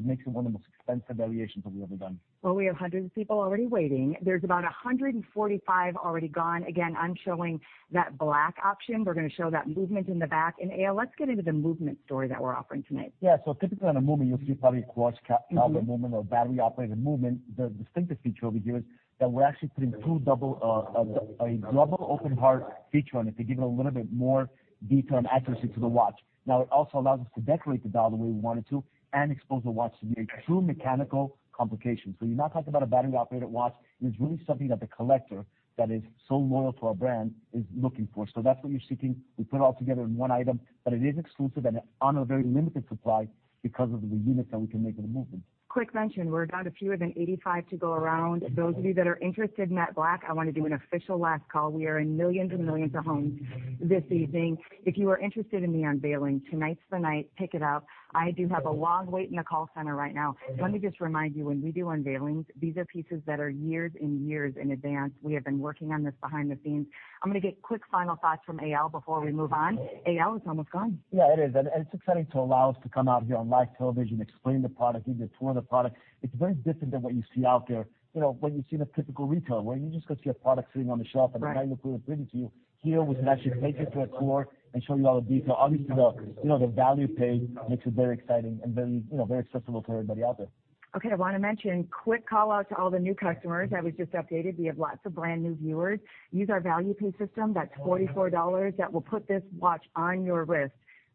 makes it one of the most expensive variations that we've ever done. Well, we have hundreds of people already waiting. There's about 145 already gone. Again, I'm showing that black option. We're gonna show that movement in the back. Eyal Lalo, let's get into the movement story that we're offering tonight. Yeah. Typically on a movement you'll see probably a quartz caliber movement or battery-operated movement. The distinctive feature over here is that we're actually putting a double open heart feature on it to give it a little bit more detail and accuracy to the watch. Now, it also allows us to decorate the dial the way we want it to and expose the watch to be a true mechanical complication. You're not talking about a battery-operated watch. It is really something that the collector that is so loyal to our brand is looking for. That's what you're seeking. We put it all together in one item, but it is exclusive and on a very limited supply because of the units that we can make of the movement. Quick mention, we're down to fewer than 85 to go around. Those of you that are interested in that black, I wanna do an official last call. We are in millions and millions of homes this evening. If you are interested in the unveiling, tonight's the night, pick it up. I do have a long wait in the call center right now. Let me just remind you, when we do unveilings, these are pieces that are years and years in advance. We have been working on this behind the scenes. I'm gonna get quick final thoughts from AL before we move on. AL, it's almost gone. Yeah, it is. It's exciting to allow us to come out here on live television, explain the product, even to tour the product. It's very different than what you see out there, you know, what you see in a typical retail where you just go see a product sitting on the shelf. Right. The guy in the booth reading to you. Here we can actually take you through a tour and show you all the detail. Obviously the, you know, the ValuePay makes it very exciting and very, you know, very accessible to everybody out there. Okay. I wanna mention, quick call out to all the new customers. I was just updated. We have lots of brand new viewers. Use our ValuePay system. That's $44 that will put this watch on your wrist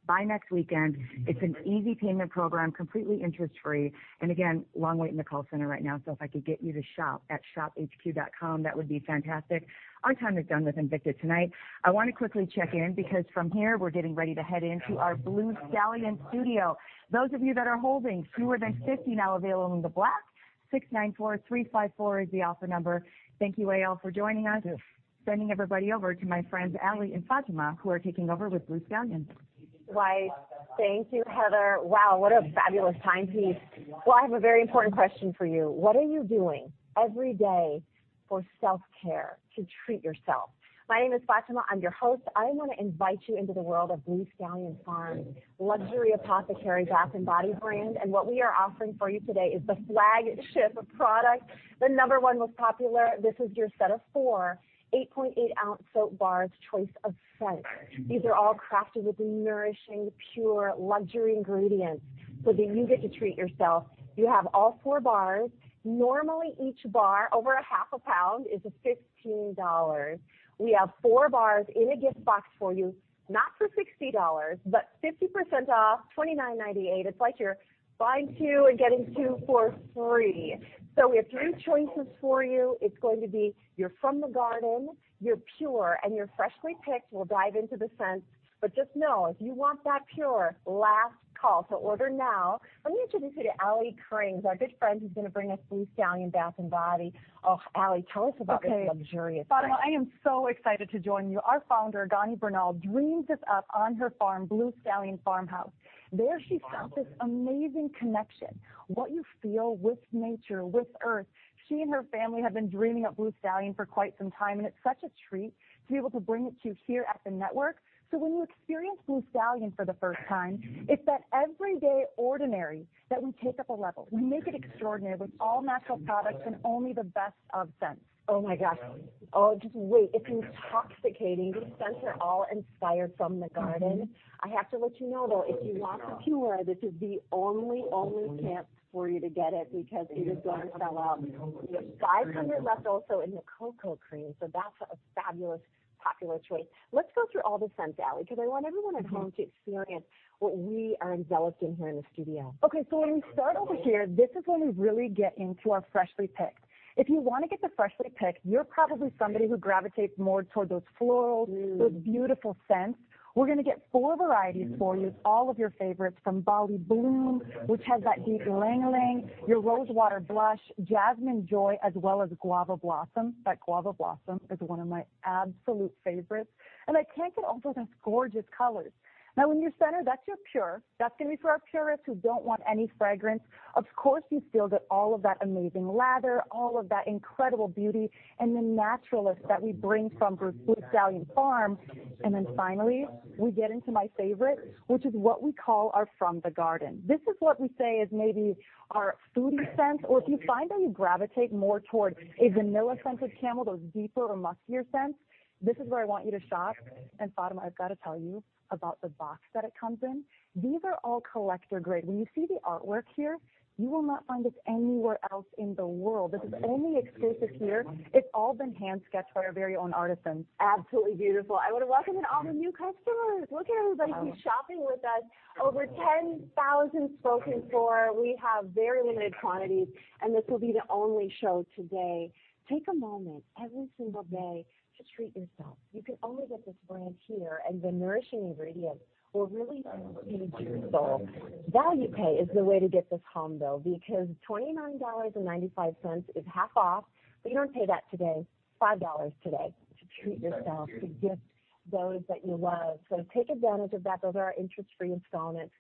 by next weekend. It's an easy payment program, completely interest-free. Again, long wait in the call center right now. If I could get you to shop at shophq.com, that would be fantastic. Our time is done with Invicta tonight. I wanna quickly check in because from here we're getting ready to head into our Blue Stallion studio. Those of you that are holding, fewer than 50 now available in the black. 694354 is the offer number. Thank you AL for joining us. Yes. Sending everybody over to my friends Ali and Fatima who are taking over with Blue Stallion. Why, thank you, Heather. Wow, what a fabulous timepiece. Well, I have a very important question for you. What are you doing every day for self-care to treat yourself? My name is Fatima. I'm your host. I wanna invite you into the world of Blue Stallion Farm, luxury apothecary bath and body brand. What we are offering for you today is the flagship of product. The number one most popular. This is your set of four 8.8-ounce soap bars, choice of scent. These are all crafted with nourishing pure luxury ingredients, so that you get to treat yourself. You have all four bars. Normally, each bar over a half a pound is $15. We have four bars in a gift box for you, not for $60, but 50% off, $29.98. It's like you're buying two and getting two for free. We have three choices for you. It's going to be your From The Garden, your Pure and your Freshly Picked. We'll dive into the scents, but just know if you want that Pure, last call to order now. Let me introduce you to Allie Krings, our good friend who's gonna bring us Blue Stallion bath and body. Oh, Ali, tell us about this luxurious brand. Okay. Fatima, I am so excited to join you. Our founder, Gany Bernal, dreamed this up on her farm, Blue Stallion Farm. There, she felt this amazing connection, what you feel with nature, with Earth. She and her family have been dreaming up Blue Stallion for quite some time, and it's such a treat to be able to bring it to you here at the network. When you experience Blue Stallion for the first time, it's that everyday ordinary that we take up a level. We make it extraordinary with all natural products and only the best of scents. Oh my gosh. Oh, just wait. It's intoxicating. These scents are all inspired from the garden. I have to let you know, though, if you want the Pure, this is the only chance for you to get it because it is going to sell out. We have 500 left also in the Cocoa Cream, so that's a fabulous popular choice. Let's go through all the scents, Ali, 'cause I want everyone at home to experience what we are enveloped in here in the studio. Okay. When we start over here, this is when we really get into our freshly picked. If you wanna get the freshly picked, you're probably somebody who gravitates more toward those florals. Mm. Those beautiful scents. We're gonna get four varieties for you, all of your favorites, from Bali Bloom, which has that deep ylang-ylang, your Rosewater Blush, Jasmine Bloom, as well as Guava Blossom. That Guava Blossom is one of my absolute favorites, and I can't get over those gorgeous colors. Now, in your center, that's your Pure. That's gonna be for our purists who don't want any fragrance. Of course, you still get all of that amazing lather, all of that incredible beauty and the naturalness that we bring from Blue Stallion Farm. Then finally, we get into my favorite, which is what we call our From the Garden. This is what we say is maybe our foodie scents or if you find that you gravitate more toward a vanilla-scented candle, those deeper or muskier scents, this is where I want you to shop. Fatima, I've got to tell you about the box that it comes in. These are all collector grade. When you see the artwork here, you will not find this anywhere else in the world. This is only exclusive here. It's all been hand sketched by our very own artisans. Absolutely beautiful. I wanna welcome in all the new customers. Look at everybody. Welcome. Who's shopping with us. Over 10,000 spoken for. We have very limited quantities, and this will be the only show today. Take a moment every single day to treat yourself. You can only get this brand here and the nourishing ingredients will really feed your soul. ValuePay is the way to get this home, though, because $29.95 is half off, but you don't pay that today. $5 today to treat yourself, to gift those that you love. Take advantage of that. Those are our interest-free installments.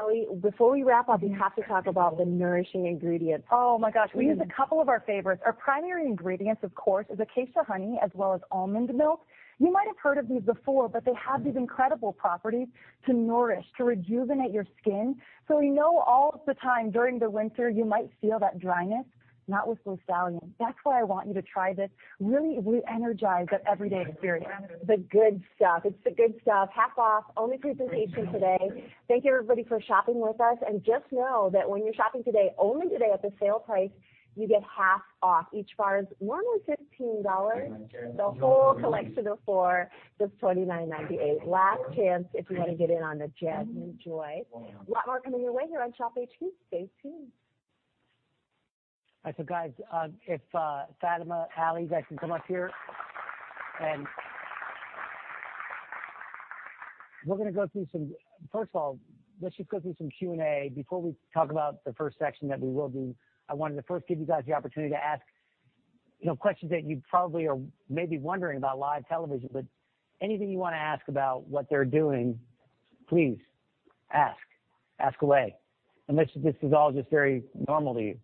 Ali, before we wrap up, we have to talk about the nourishing ingredients. Oh my gosh. Mm. We use a couple of our favorites. Our primary ingredients, of course, is acacia honey as well as almond milk. You might have heard of these before, but they have these incredible properties to nourish, to rejuvenate your skin. We know all the time during the winter, you might feel that dryness. Not with Blue Stallion. That's why I want you to try this. Really, we energize that everyday experience. The good stuff. It's the good stuff. Half off, only through presentation today. Thank you everybody for shopping with us. Just know that when you're shopping today, only today at the sale price, you get half off. Each bar is normally $15. The whole collection of four, just $29.98. Last chance if you want to get in on the Jasmine Joy. A lot more coming your way here on ShopHQ. Stay tuned. All right. Guys, if Fatima, Ali, you guys can come up here. First of all, let's just go through some Q&A before we talk about the first section that we will do. I wanted to first give you guys the opportunity to ask, you know, questions that you probably are maybe wondering about live television. Anything you wanna ask about what they're doing, please ask. Ask away. Unless this is all just very normal to you.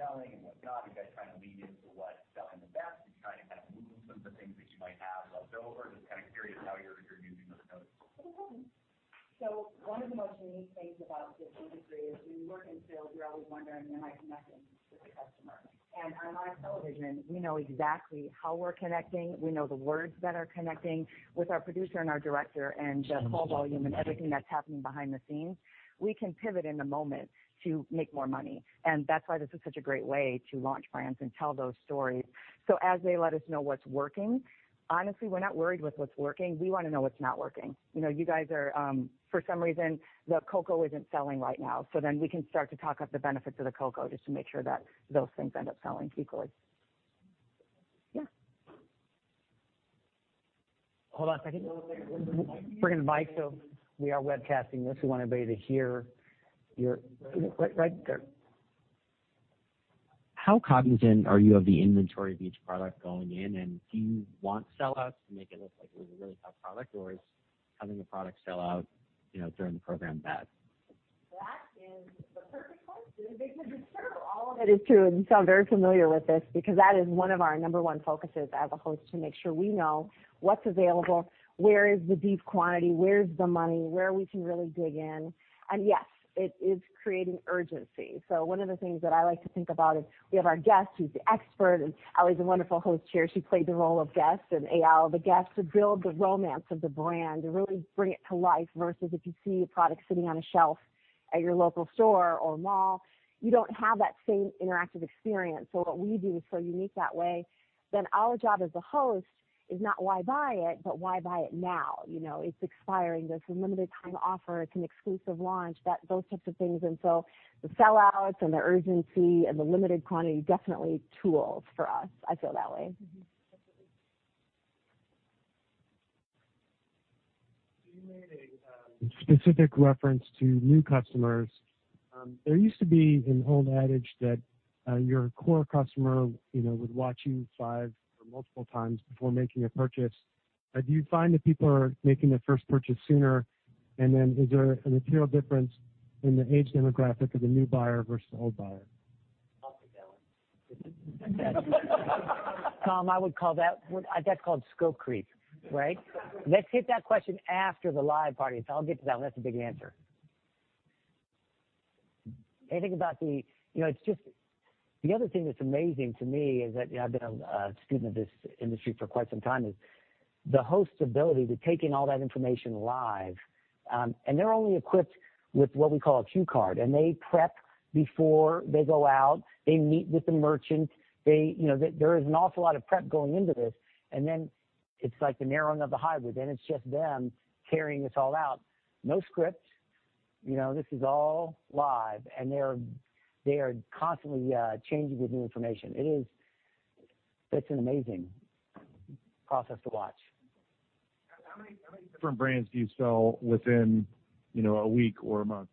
I'd love to ask, what are you doing with some of those live notes about what's selling and what's not? Are you guys trying to lean into what's selling the best and trying to kind of move some of the things that you might have left over? Just kind of curious how you're using those notes. One of the most unique things about this industry is when you work in the field, you're always wondering, am I connecting with the customer? On live television, we know exactly how we're connecting. We know the words that are connecting. With our producer and our director and the call volume and everything that's happening behind the scenes, we can pivot in a moment to make more money, and that's why this is such a great way to launch brands and tell those stories. As they let us know what's working, honestly, we're not worried with what's working. We wanna know what's not working. You know, you guys are for some reason the cocoa isn't selling right now. Then we can start to talk up the benefits of the cocoa just to make sure that those things end up selling equally. Yeah. Hold on a second. We're gonna mic, so we are webcasting this. We want everybody to hear your. Right, right there. How cognizant are you of the inventory of each product going in, and do you want sellouts to make it look like it was a really tough product, or is having the product sell out, you know, during the program bad? That is the perfect question. It's true. All of it is true, and you sound very familiar with this because that is one of our number one focuses as a host to make sure we know what's available, where is the deep quantity, where's the money, where we can really dig in. Yes, it is creating urgency. One of the things that I like to think about is we have our guest who's the expert, and Ali's a wonderful host here. She played the role of guest and Al the guest to build the romance of the brand, to really bring it to life versus if you see a product sitting on a shelf at your local store or mall, you don't have that same interactive experience. What we do is so unique that way. Our job as a host is not why buy it, but why buy it now? You know, it's expiring. There's a limited time offer. It's an exclusive launch. Those types of things. The sellouts and the urgency and the limited quantity, definitely tools for us. I feel that way. Mm-hmm. Definitely. You made a specific reference to new customers. There used to be an old adage that your core customer, you know, would watch you five or multiple times before making a purchase. Do you find that people are making their first purchase sooner? Is there a material difference in the age demographic of the new buyer versus the old buyer? I'll take that one. Tom, I would call that scope creep, right? Let's hit that question after the live party. I'll get to that one. That's a big answer. Anything about the... You know, the other thing that's amazing to me is that I've been a student of this industry for quite some time, is the host's ability to take in all that information live. They're only equipped with what we call a cue card, and they prep before they go out. They meet with the merchant. You know, there is an awful lot of prep going into this, and then it's like the narrowing of the highway. It's just them carrying this all out. No script, you know, this is all live, and they are constantly changing with new information. It's an amazing process to watch. How many different brands do you sell within, you know, a week or a month?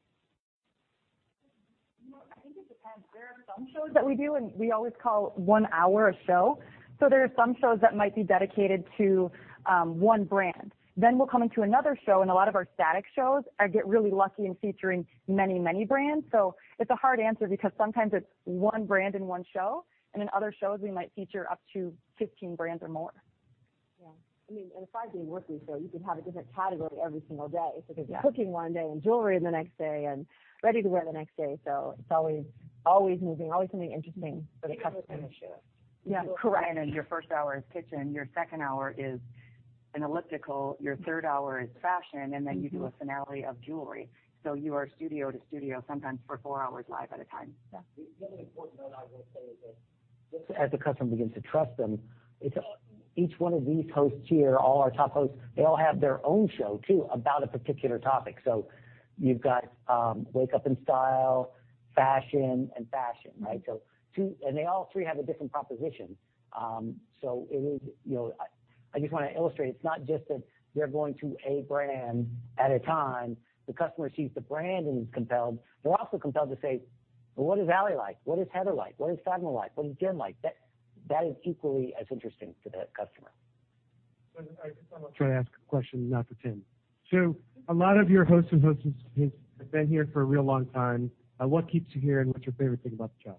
You know, I think it depends. There are some shows that we do, and we always call one hour a show. There are some shows that might be dedicated to one brand. We'll come into another show, and a lot of our static shows, I get really lucky in featuring many, many brands. It's a hard answer because sometimes it's one brand in one show, and in other shows we might feature up to 15 brands or more. Yeah. I mean, aside from being a weekly show, you could have a different category every single day. Yeah. There's cooking one day and jewelry the next day and ready to wear the next day. It's always moving, always something interesting for the customer. It depends on the show. Yeah, correct. Your first hour is kitchen, your second hour is an elliptical, your third hour is fashion, and then you do a finale of jewelry. You are studio to studio sometimes for four hours live at a time. Yeah. The other important note I will say is that just as the customer begins to trust them, it's each one of these hosts here, all our top hosts, they all have their own show too, about a particular topic. You've got Wake Up in Style, fashion and fashion, right? They all three have a different proposition. It is. I just wanna illustrate, it's not just that they're going to a brand at a time. The customer sees the brand and is compelled. They're also compelled to say, "Well, what is Ali like? What is Heather like? What is Fatima like? What is Jen like?" That is equally as interesting to the customer. I'm gonna try to ask a question, not for Tim. A lot of your hosts and hostesses have been here for a real long time. What keeps you here, and what's your favorite thing about the job?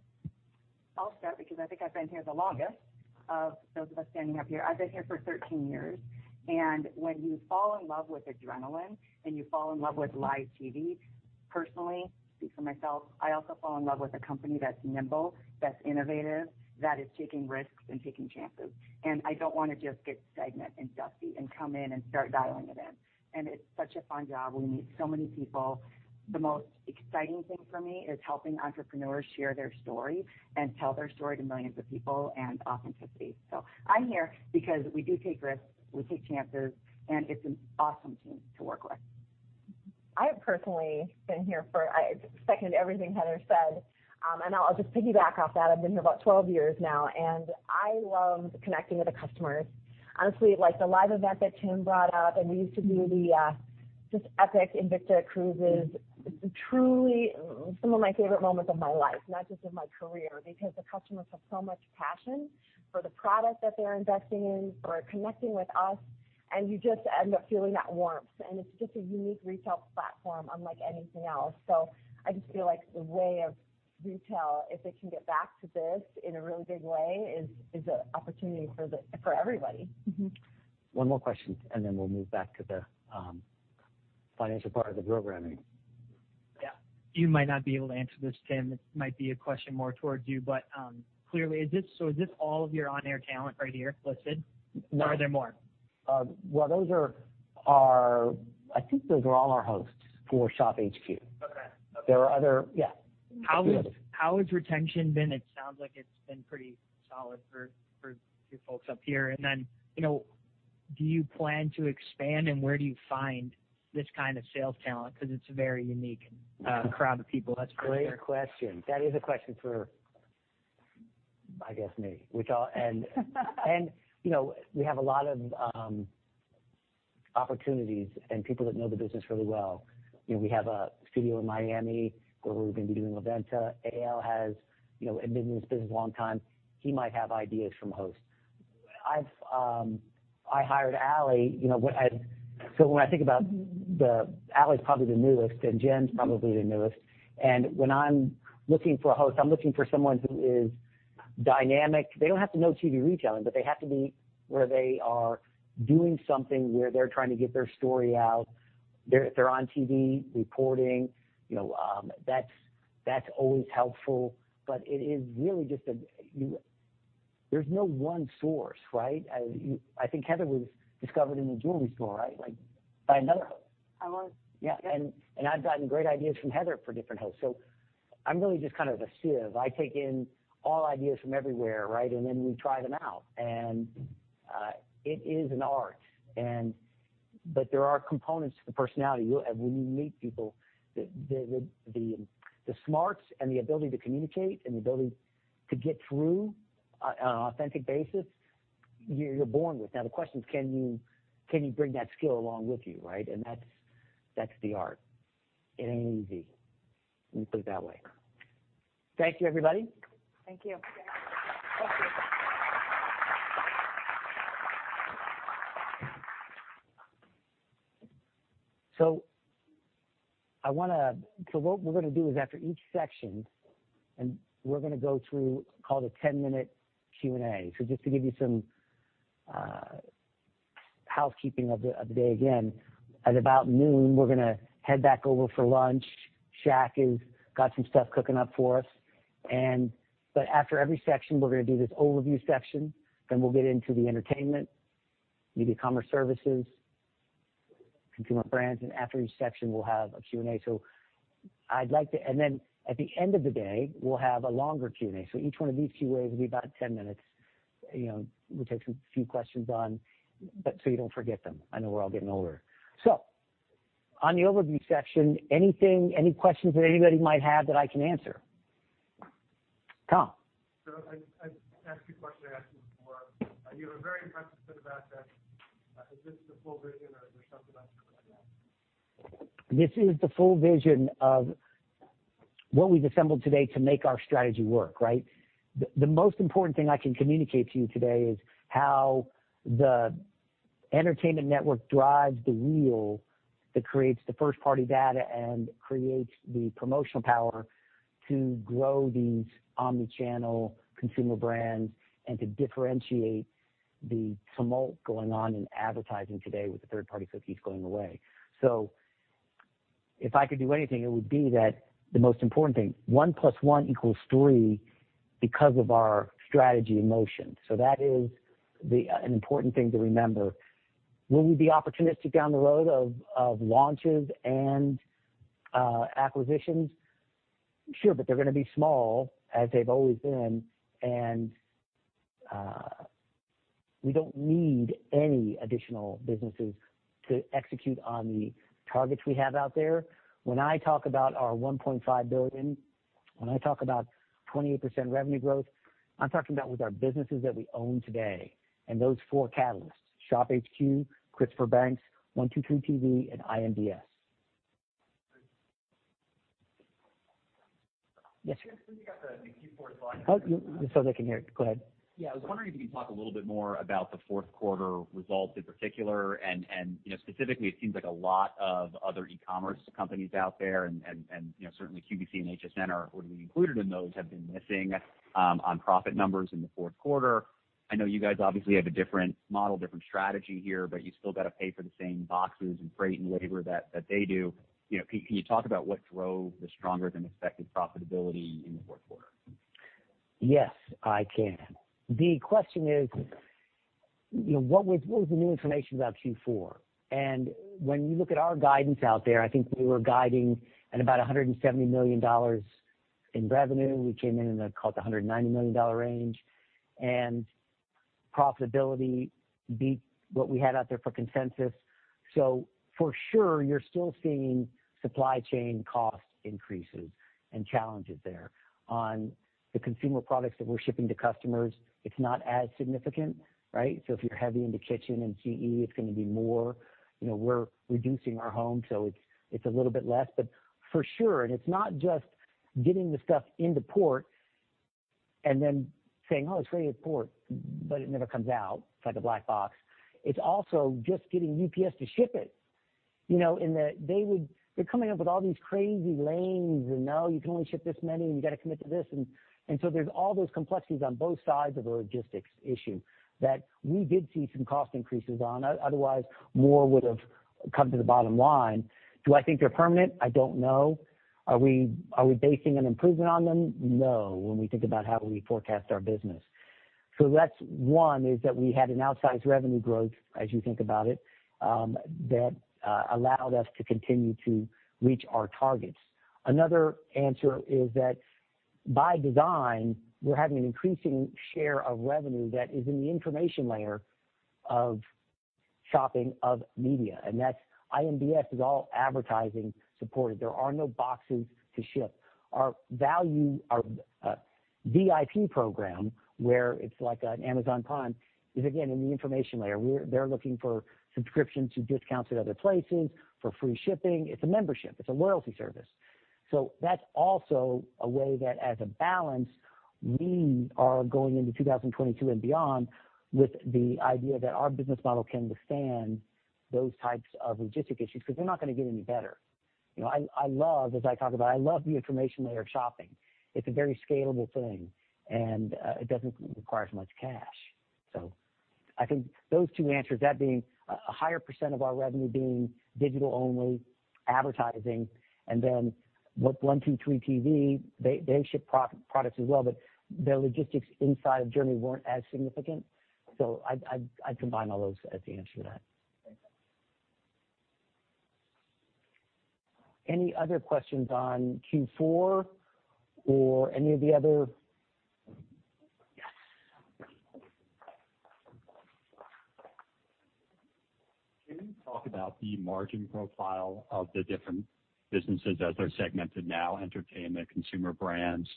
I'll start because I think I've been here the longest of those of us standing up here. I've been here for 13 years. When you fall in love with adrenaline and you fall in love with live TV, personally, speak for myself, I also fall in love with a company that's nimble, that's innovative, that is taking risks and taking chances. I don't wanna just get stagnant and dusty and come in and start dialing it in. It's such a fun job. We meet so many people. The most exciting thing for me is helping entrepreneurs share their story and tell their story to millions of people and authenticity. I'm here because we do take risks, we take chances, and it's an awesome team to work with. I second everything Heather said, and I'll just piggyback off that. I've been here about 12 years now, and I love connecting with the customers. Honestly, like the live event that Tim brought up, and we used to do the just epic Invicta cruises, it's truly some of my favorite moments of my life, not just of my career, because the customers have so much passion for the product that they're investing in or connecting with us, and you just end up feeling that warmth. It's just a unique retail platform unlike anything else. I just feel like the way of retail, if it can get back to this in a really big way, is an opportunity for everybody. Mm-hmm. One more question, and then we'll move back to the, financial part of the programming. Yeah. You might not be able to answer this, Tim. It might be a question more towards you, but, so is this all of your on-air talent right here listed? No. Are there more? I think those are all our hosts for ShopHQ. Okay. Okay. There are other. Yeah. How has retention been? It sounds like it's been pretty solid for you folks up here. You know, do you plan to expand, and where do you find this kind of sales talent? Because it's a very unique crowd of people, that's for sure. Great question. That is a question for, I guess, me. We have a lot of opportunities and people that know the business really well. You know, we have a studio in Miami where we're gonna be doing LaVenta. A.L. has, you know, been in this business a long time. He might have ideas from hosts. I hired Ali, you know. Ali's probably the newest, and Jen's probably the newest. When I'm looking for a host, I'm looking for someone who is dynamic. They don't have to know TV retailing, but they have to be where they are doing something, where they're trying to get their story out. They're on TV, reporting. You know, that's always helpful. It is really just a. There's no one source, right? I think Heather was discovered in a jewelry store, right? Like, by another host. I was. I've gotten great ideas from Heather for different hosts. So I'm really just kind of a sieve. I take in all ideas from everywhere, right? Then we try them out. It is an art, but there are components to the personality. When you meet people, the smarts and the ability to communicate and the ability to get through on an authentic basis, you're born with. Now, the question is, can you bring that skill along with you, right? That's the art. It ain't easy. Let me put it that way. Thank you, everybody. Thank you. Thank you. What we're gonna do is after each section, we're gonna go through called a 10-minute Q&A. Just to give you some housekeeping of the day again. At about noon, we're gonna head back over for lunch. Shaq has got some stuff cooking up for us. But after every section, we're gonna do this overview section, then we'll get into the entertainment, media commerce services, consumer brands. After each section, we'll have a Q&A. Then at the end of the day, we'll have a longer Q&A. Each one of these Q&A will be about 10 minutes. You know, we'll take some few questions on, but so you don't forget them. I know we're all getting older. On the overview section, anything, any questions that anybody might have that I can answer? Tom. I asked you a question I asked you before. You were very impressive about that. Is this the full vision or is there something else you're looking at? This is the full vision of what we've assembled today to make our strategy work, right? The most important thing I can communicate to you today is how the entertainment network drives the wheel that creates the first-party data and creates the promotional power to grow these omni-channel consumer brands and to differentiate the tumult going on in advertising today with the third-party cookies going away. If I could do anything, it would be that the most important thing, one plus one equals three because of our strategy in motion. That is an important thing to remember. Will we be opportunistic down the road of launches and acquisitions? Sure, but they're gonna be small as they've always been. We don't need any additional businesses to execute on the targets we have out there. When I talk about our $1.5 billion, when I talk about 28% revenue growth, I'm talking about with our businesses that we own today. Those four catalysts, ShopHQ, Christopher & Banks, 1-2-3.tv, and iMDS. Yes. Can you talk about the Q4 slide? Oh, so they can hear it. Go ahead. Yeah. I was wondering if you could talk a little bit more about the Q4 results in particular. You know, specifically, it seems like a lot of other e-commerce companies out there and, you know, certainly QVC and HSN are already included in those, have been missing on profit numbers in the Q4. I know you guys obviously have a different model, different strategy here, but you still got to pay for the same boxes and freight and labor that they do. You know, can you talk about what drove the stronger than expected profitability in the Q4? Yes, I can. The question is, you know, what was the new information about Q4? When you look at our guidance out there, I think we were guiding at about $170 million in revenue. We came in call it the $190 million range, and profitability beat what we had out there for consensus. For sure, you're still seeing supply chain cost increases and challenges there. On the consumer products that we're shipping to customers, it's not as significant, right? If you're heavy into kitchen and GE, it's gonna be more. You know, we're reducing our home, so it's a little bit less. For sure, and it's not just getting the stuff into port and then saying, "Oh, it's ready at port," but it never comes out. It's like a black box. It's also just getting UPS to ship it. You know, they're coming up with all these crazy lanes, and, no, you can only ship this many, and you got to commit to this. There's all those complexities on both sides of a logistics issue that we did see some cost increases on. Otherwise, more would have come to the bottom line. Do I think they're permanent? I don't know. Are we basing an improvement on them? No, when we think about how we forecast our business. That's one, is that we had an outsized revenue growth as you think about it, that allowed us to continue to reach our targets. Another answer is that by design, we're having an increasing share of revenue that is in the information layer of shopping of media. That's iMDS is all advertising supported. There are no boxes to ship. Our value, our VIP program, where it's like an Amazon Prime, is again in the information layer. They're looking for subscriptions to discounts at other places, for free shipping. It's a membership. It's a loyalty service. That's also a way that as a balance, we are going into 2022 and beyond with the idea that our business model can withstand those types of logistics issues because they're not gonna get any better. You know, I love, as I talk about, I love the information layer of shopping. It's a very scalable thing, and it doesn't require as much cash. I think those two answers, that being a higher % of our revenue being digital-only advertising and then what one two three TV, they ship proper products as well, but their logistics inside of Germany weren't as significant. I'd combine all those as the answer to that. Thank you. Any other questions on Q4 or any of the other? Yes. Can you talk about the margin profile of the different businesses as they're segmented now, entertainment, consumer brands,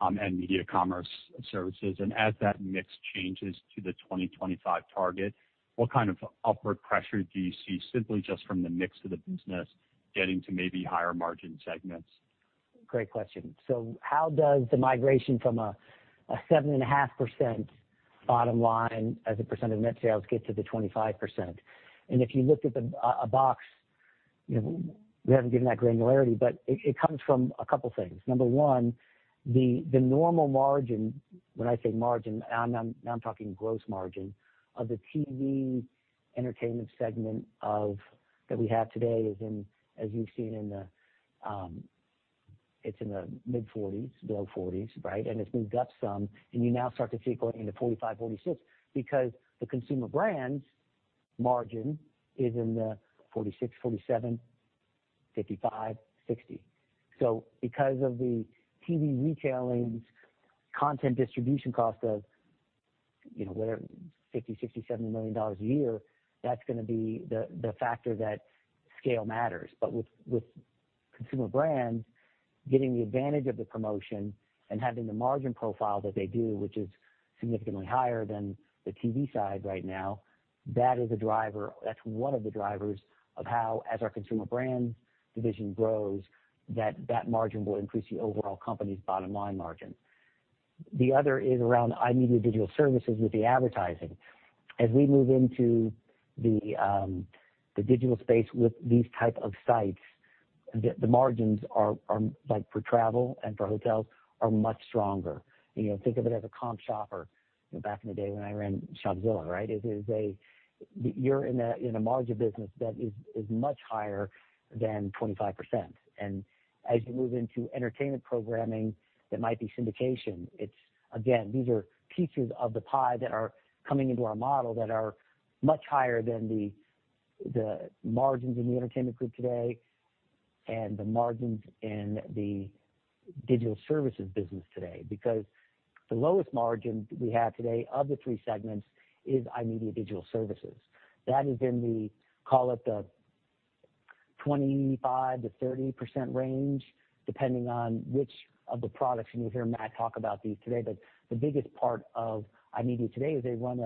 and media commerce services? As that mix changes to the 2025 target, what kind of upward pressure do you see simply just from the mix of the business getting to maybe higher margin segments? Great question. How does the migration from a 7.5% bottom line as a percent of net sales get to the 25%? If you looked at the box. You know, we haven't given that granularity, but it comes from a couple things. Number one, the normal margin, when I say margin, I'm now talking gross margin, of the TV entertainment segment that we have today is in, as you've seen in the. It's in the mid-40s, below 40s, right? It's moved up some, and you now start to see it going into 45, 46 because the consumer brands margin is in the 46, 47, 55, 60. Because of the TV retailing's content distribution cost of, you know, whatever, $50 million, $60 million, $70 million a year, that's gonna be the factor that scale matters. With consumer brands getting the advantage of the promotion and having the margin profile that they do, which is significantly higher than the TV side right now, that is a driver. That's one of the drivers of how, as our consumer brands division grows, that margin will increase the overall company's bottom line margin. The other is around iMedia Digital Services with the advertising. As we move into the digital space with these type of sites, the margins are, like, for travel and for hotels are much stronger. You know, think of it as a comp shopper. You know, back in the day when I ran Shopzilla, right? You're in a margin business that is much higher than 25%. As you move into entertainment programming, that might be syndication. It's again, these are pieces of the pie that are coming into our model that are much higher than the margins in the entertainment group today and the margins in the digital services business today. Because the lowest margin we have today of the three segments is iMedia Digital Services. That is in the, call it, the 25%-30% range, depending on which of the products, and you'll hear Matt talk about these today, but the biggest part of iMedia today is they run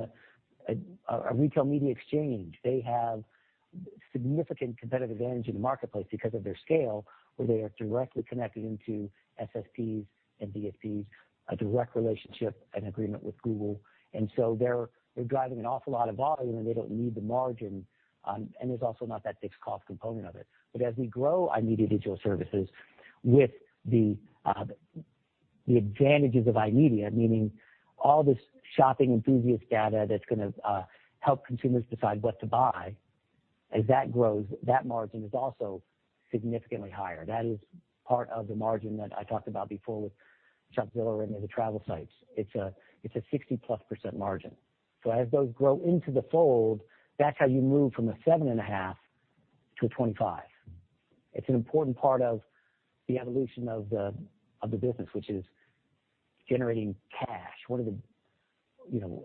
a retail media exchange. They have significant competitive advantage in the marketplace because of their scale, where they are directly connected into SSPs and DSPs, a direct relationship and agreement with Google. And so they're driving an awful lot of volume, and they don't need the margin, and there's also not that fixed cost component of it. As we grow iMedia Digital Services with the advantages of iMedia, meaning all this shopping enthusiast data that's gonna help consumers decide what to buy, as that grows, that margin is also significantly higher. That is part of the margin that I talked about before with Shopzilla and the travel sites. It's a 60+% margin. As those grow into the fold, that's how you move from 7.5% to 25%. It's an important part of the evolution of the business, which is generating cash. One of the, you know,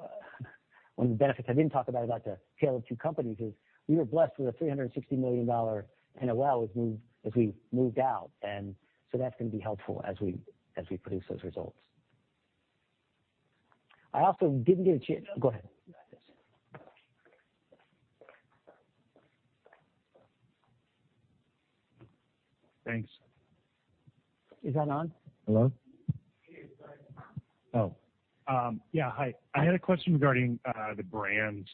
benefits I didn't talk about about the scale of two companies is we were blessed with a $360 million NOL as we moved out, and that's gonna be helpful as we produce those results. I also didn't get a chance. Go ahead. Thanks. Is that on? Hello? Hi. I had a question regarding the brand.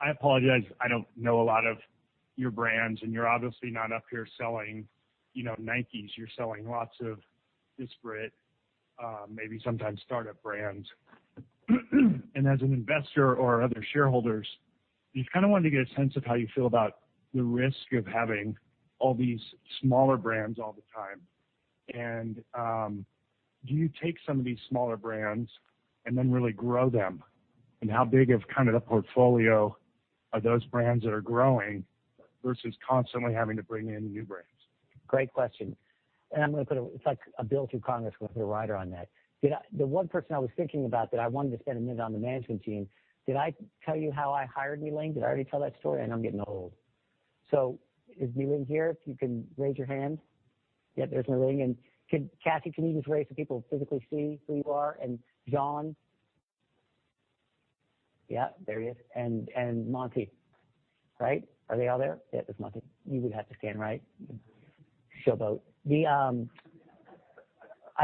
I apologize, I don't know a lot of your brands, and you're obviously not up here selling, you know, Nikes. You're selling lots of disparate, maybe sometimes startup brands. As an investor or other shareholders, you kind of wanted to get a sense of how you feel about the risk of having all these smaller brands all the time. Do you take some of these smaller brands and then really grow them? How big of kind of the portfolio are those brands that are growing versus constantly having to bring in new brands? Great question. It's like a bill through Congress with a rider on that. Did I tell you how I hired Yi Ling? Did I already tell that story? I know I'm getting old. Is Yi Ling here? If you can raise your hand. Yeah, there's Yi Ling. Kathy, can you just raise so people physically see who you are, and John? Yeah, there he is, and Monty, right? Are they all there? Yeah, there's Monty. You would have to stand, right? She'll vote. I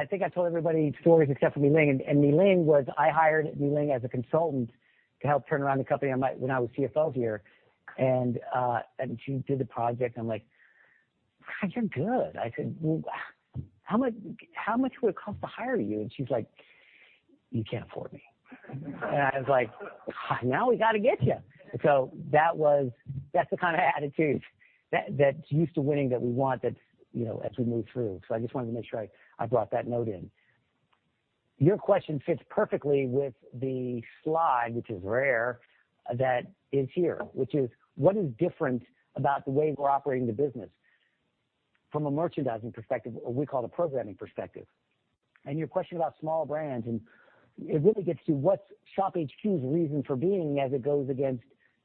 think I told everybody stories except for Yi Ling, and Yi Ling was... I hired Mei Ling as a consultant to help turn around the company when I was CFO here, and she did the project. I'm like, "God, you're good." I said, "Well, how much would it cost to hire you?" She's like, "You can't afford me." I was like, "Now we got to get you." That's the kind of attitude that's used to winning that we want, you know, as we move through. I just wanted to make sure I brought that note in. Your question fits perfectly with the slide, which is rare, that is here, which is what is different about the way we're operating the business from a merchandising perspective, or we call it a programming perspective. Your question about small brands, and it really gets to what's ShopHQ's reason for being as it goes against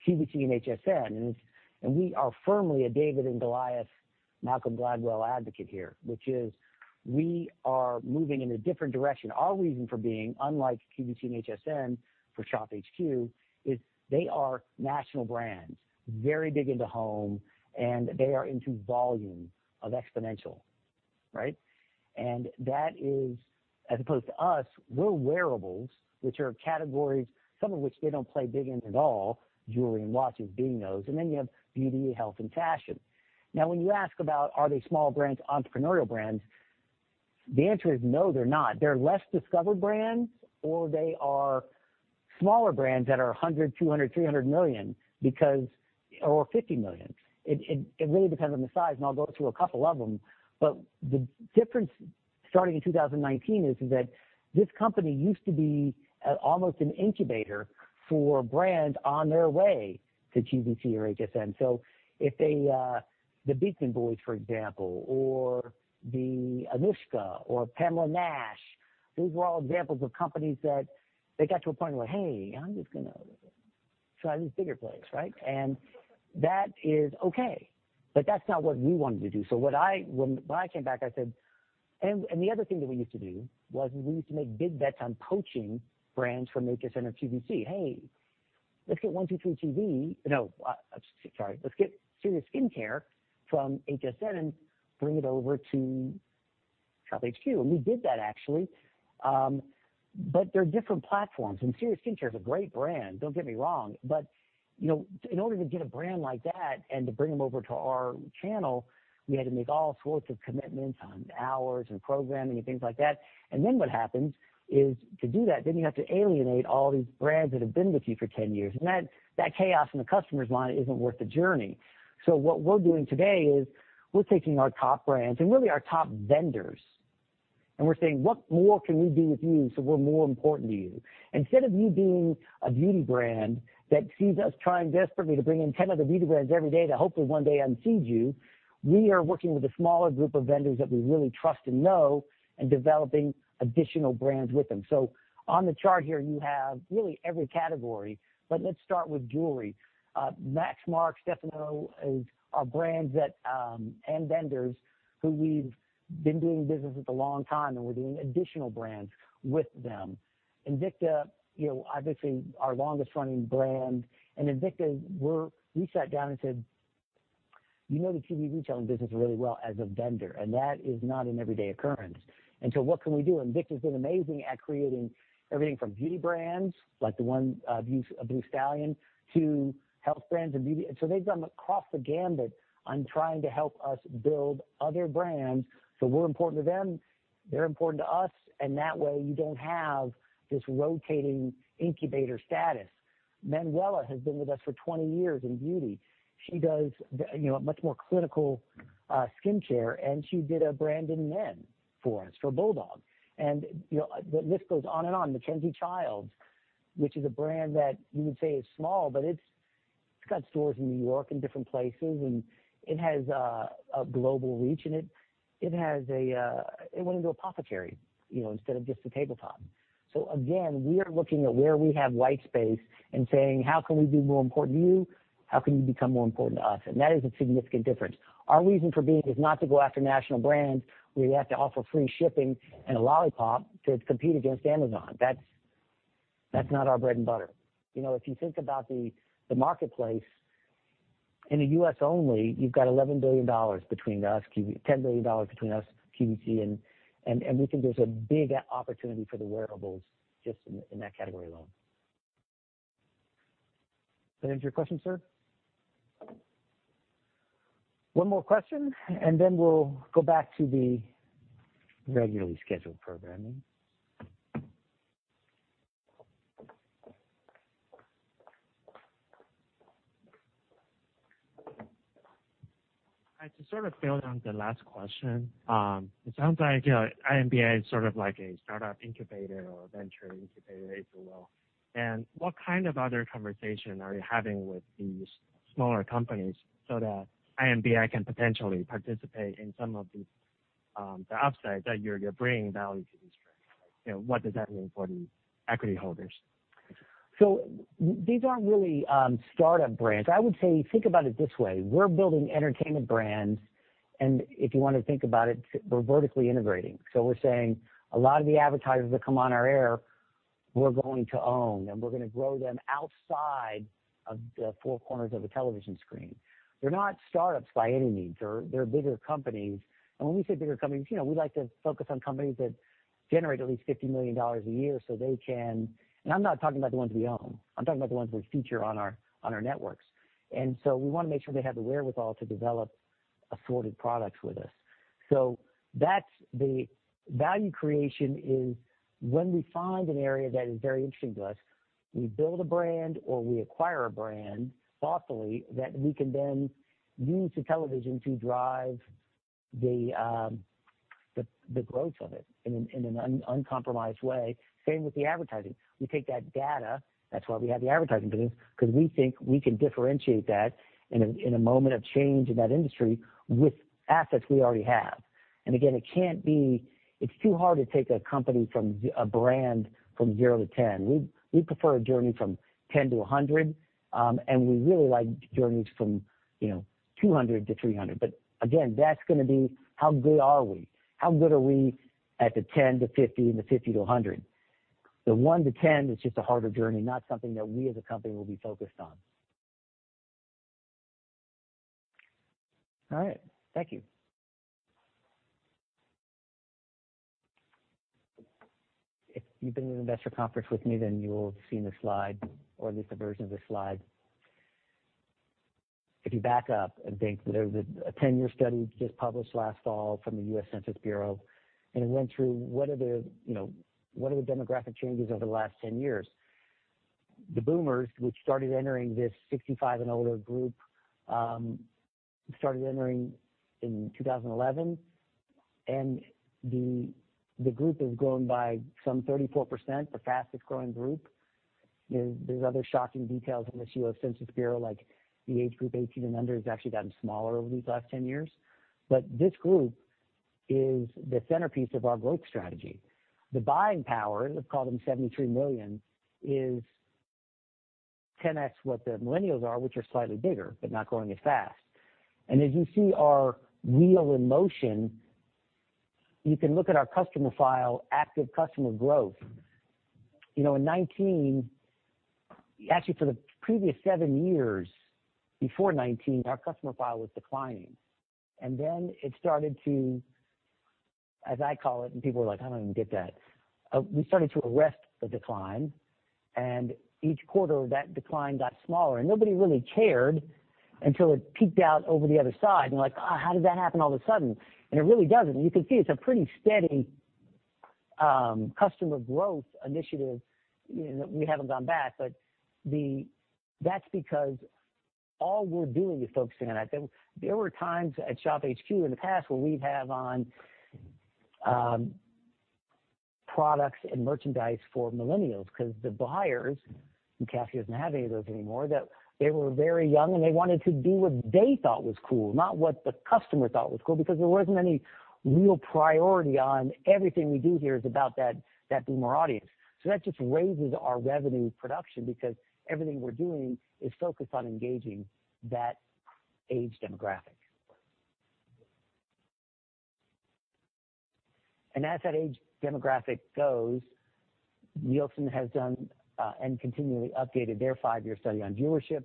QVC and HSN. We are firmly a David and Goliath, Malcolm Gladwell advocate here, which is we are moving in a different direction. Our reason for being, unlike QVC and HSN for ShopHQ, is they are national brands, very big into home, and they are into exponential volume. Right? That is as opposed to us, we're wearables, which are categories, some of which they don't play big in at all. Jewelry and watches being those. Then you have beauty, health, and fashion. Now, when you ask about are they small brands, entrepreneurial brands, the answer is no, they're not. They're less discovered brands, or they are smaller brands that are $100 million, $200 million, $300 million because or $50 million. It really depends on the size, and I'll go through a couple of them. The difference starting in 2019 is that this company used to be almost an incubator for brands on their way to QVC or HSN. If they the Beekman Boys, for example, or the Anuschka or Patricia Nash, these were all examples of companies that they got to a point where, "Hey, I'm just gonna try this bigger place, right?" That is okay, but that's not what we wanted to do. When I came back, I said. The other thing that we used to do was we used to make big bets on poaching brands from HSN or QVC. Hey, let's get 1-2-3.tv. No, sorry. Let's get Serious Skincare from HSN and bring it over to ShopHQ. We did that actually. They're different platforms, and Serious Skincare is a great brand. Don't get me wrong, but, you know, in order to get a brand like that and to bring them over to our channel, we had to make all sorts of commitments on hours and programming and things like that. What happens is, to do that, then you have to alienate all these brands that have been with you for 10 years. That chaos in the customer's mind isn't worth the journey. What we're doing today is we're taking our top brands and really our top vendors, and we're saying, "What more can we do with you so we're more important to you?" Instead of you being a beauty brand that sees us trying desperately to bring in 10 other beauty brands every day to hopefully one day unseat you, we are working with a smaller group of vendors that we really trust and know and developing additional brands with them. On the chart here, you have really every category. Let's start with jewelry. Max Marc, Stefano are brands that, and vendors who we've been doing business with a long time, and we're doing additional brands with them. Invicta, you know, obviously our longest running brand, and we sat down and said, "You know the TV retailing business really well as a vendor, and that is not an everyday occurrence. What can we do?" Invicta has been amazing at creating everything from beauty brands like the one, Blue Stallion, to health brands and beauty. They've gone across the gamut on trying to help us build other brands. We're important to them, they're important to us, and that way you don't have this rotating incubator status. Manuela has been with us for 20 years in beauty. She does, you know, a much more clinical skincare, and she did a brand for men for us, for Bulldog. You know, the list goes on and on. MacKenzie-Childs, which is a brand that you would say is small, but it's got stores in New York and different places, and it has a global reach. It went into apothecary, you know, instead of just a tabletop. Again, we are looking at where we have white space and saying, "How can we be more important to you? How can you become more important to us?" That is a significant difference. Our reason for being is not to go after national brands, where you have to offer free shipping and a lollipop to compete against Amazon. That's not our bread and butter. You know, if you think about the marketplace in the U.S. only, you've got $10 billion between us and QVC, and we think there's a big opportunity for the wearables just in that category alone. Does that answer your question, sir? One more question, and then we'll go back to the regularly scheduled programming. To sort of build on the last question, it sounds like IMBI is sort of like a startup incubator or a venture incubator as well. What kind of other conversation are you having with these smaller companies so that IMBI can potentially participate in some of these, the upside that you're bringing value to these brands? You know, what does that mean for the equity holders? These aren't really startup brands. I would say think about it this way: We're building entertainment brands, and if you want to think about it, we're vertically integrating. We're saying a lot of the advertisers that come on our air, we're going to own, and we're going to grow them outside of the four corners of a television screen. They're not startups by any means. They're bigger companies. When we say bigger companies, you know, we like to focus on companies that generate at least $50 million a year so they can. I'm not talking about the ones we own. I'm talking about the ones we feature on our networks. We want to make sure they have the wherewithal to develop assorted products with us. That's the. Value creation is when we find an area that is very interesting to us, we build a brand or we acquire a brand thoughtfully that we can then use the television to drive the growth of it in an uncompromised way. Same with the advertising. We take that data. That's why we have the advertising business, because we think we can differentiate that in a moment of change in that industry with assets we already have. Again, it can't be. It's too hard to take a brand from 0 to 10. We prefer a journey from 10 to 100, and we really like journeys from you know 200 to 300. Again, that's gonna be how good are we? How good are we at the 10 to 50 and the 50 to 100? The 1 to 10 is just a harder journey, not something that we as a company will be focused on. All right. Thank you. If you've been to the investor conference with me, then you'll have seen this slide or at least a version of this slide. If you back up and think there was a ten-year study just published last fall from the U.S. Census Bureau, and it went through what are the demographic changes over the last 10 years. The boomers, which started entering this 65 and older group, started entering in 2011, and the group has grown by some 34%, the fastest-growing group. There's other shocking details in this U.S. Census Bureau, like the age group 18 and under has actually gotten smaller over these last 10 years. This group is the centerpiece of our growth strategy. The buying power, let's call them 73 million, is 10x what the millennials are, which are slightly bigger, but not growing as fast. As you see our wheels in motion, you can look at our customer file, active customer growth. You know, actually, for the previous seven years before 2019, our customer file was declining. Then it started to, as I call it, and people were like, "I don't even get that." We started to arrest the decline, and each quarter that decline got smaller. Nobody really cared until it peaked out over the other side, and they're like, "Oh, how did that happen all of a sudden?" It really doesn't. You can see it's a pretty steady customer growth initiative. You know, we haven't gone back. That's because all we're doing is focusing on that. There were times at ShopHQ in the past where we'd have on products and merchandise for millennials because the buyers, and Cassie doesn't have any of those anymore, that they were very young, and they wanted to do what they thought was cool, not what the customer thought was cool, because there wasn't any real priority on everything we do here is about that boomer audience. That just raises our revenue production because everything we're doing is focused on engaging that age demographic. As that age demographic goes, Nielsen has done and continually updated their five-year study on viewership.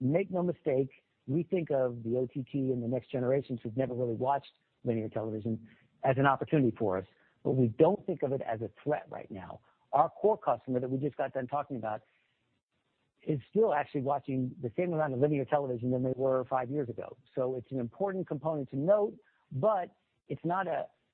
Make no mistake, we think of the OTT and the next generations who've never really watched linear television as an opportunity for us, but we don't think of it as a threat right now. Our core customer that we just got done talking about is still actually watching the same amount of linear television than they were 5 years ago. It's an important component to note, but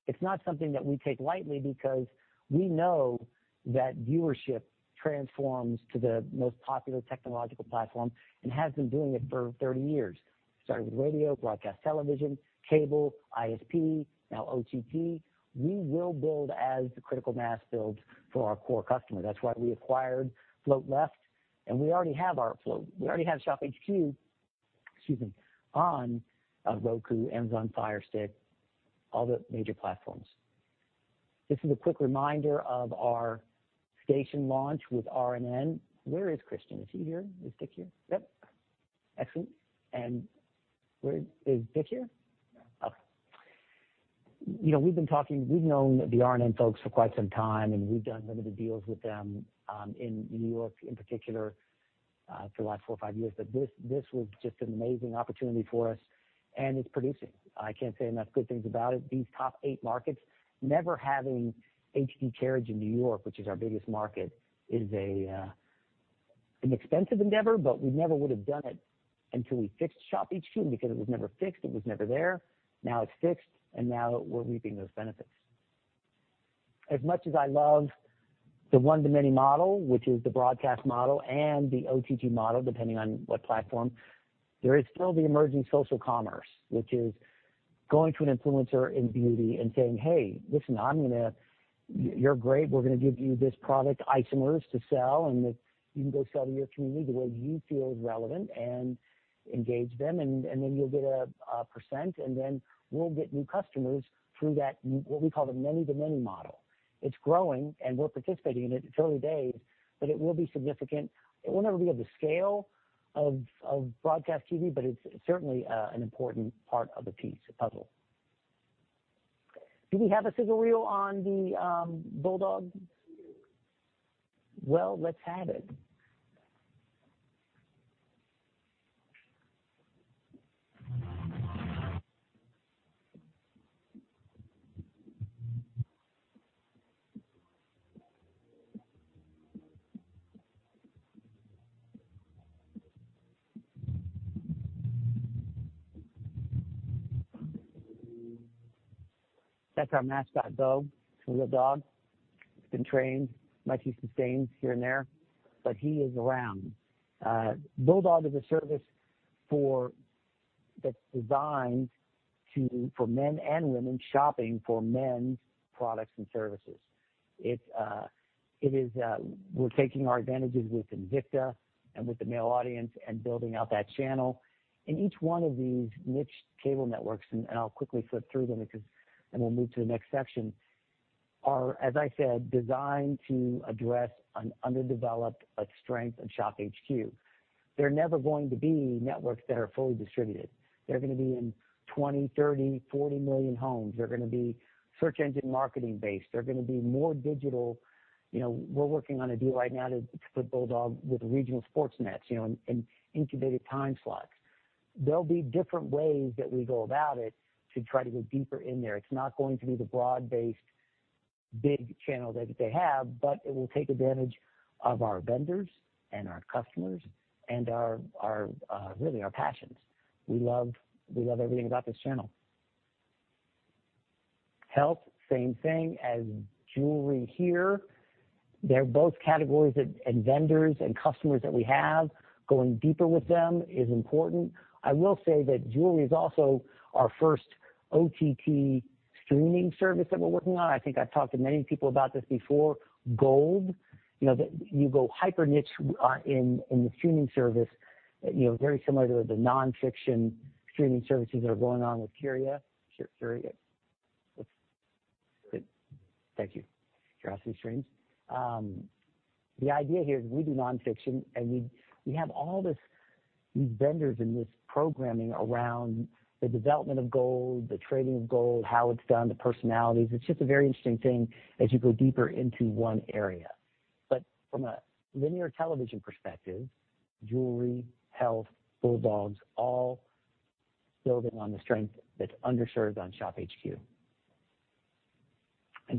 it's not something that we take lightly because we know that viewership transforms to the most popular technological platform and has been doing it for 30 years. It started with radio, broadcast television, cable, ISP, now OTT. We will build as the critical mass builds for our core customer. That's why we acquired Float Left, and we already have our float. We already have ShopHQ, excuse me, on Roku, Amazon Fire TV Stick, all the major platforms. This is a quick reminder of our station launch with RNN. Where is Christian? Is he here? Is Dick here? Yep. Excellent. And where is Dick here? Yeah. Okay. You know, we've been talking. We've known the RNN folks for quite some time, and we've done limited deals with them in New York in particular for the last four or five years. This was just an amazing opportunity for us, and it's producing. I can't say enough good things about it. These top eight markets, never having HD carriage in New York, which is our biggest market, is an expensive endeavor, but we never would have done it until we fixed ShopHQ because it was never fixed. It was never there. Now it's fixed, and now we're reaping those benefits. As much as I love the one-to-many model, which is the broadcast model and the OTT model, depending on what platform, there is still the emerging social commerce, which is going to an influencer in beauty and saying, "Hey, listen, I'm gonna. You're great. We're gonna give you this product, Isomers, to sell, and you can go sell to your community the way you feel is relevant and engage them, and then you'll get a percent, and then we'll get new customers through that, what we call the many-to-many model. It's growing, and we're participating in it. It's early days, but it will be significant. It will never be of the scale of broadcast TV, but it's certainly an important part of the piece, the puzzle. Do we have a sizzle reel on the Bulldog? Well, let's have it. That's our mascot, Dog. It's a real dog. It's been trained. Might be some stains here and there, but he is around. Bulldog is a service for men and women shopping for men's products and services. It is. We're taking our advantages with Invicta and with the male audience and building out that channel. Each one of these niche cable networks, and I'll quickly flip through them because we'll move to the next section, are, as I said, designed to address an underdeveloped, a strength in ShopHQ. They're never going to be networks that are fully distributed. They're gonna be in 20, 30, 40 million homes. They're gonna be search engine marketing based. They're gonna be more digital. You know, we're working on a deal right now to put Bulldog with regional sports nets, you know, in incubated time slots. There'll be different ways that we go about it to try to go deeper in there. It's not going to be the broad-based big channel that they have, but it will take advantage of our vendors and our customers and, really, our passions. We love everything about this channel. Health, same thing as jewelry here. They're both categories and vendors and customers that we have. Going deeper with them is important. I will say that jewelry is also our first OTT streaming service that we're working on. I think I've talked to many people about this before. So, you know, you go hyper niche in the streaming service, you know, very similar to the nonfiction streaming services that are going on with Curiosity Stream. The idea here is we do nonfiction, and we have all this, these vendors and this programming around the development of gold, the trading of gold, how it's done, the personalities. It's just a very interesting thing as you go deeper into one area. From a linear television perspective, jewelry, health, Bulldog, all building on the strength that's underserved on ShopHQ.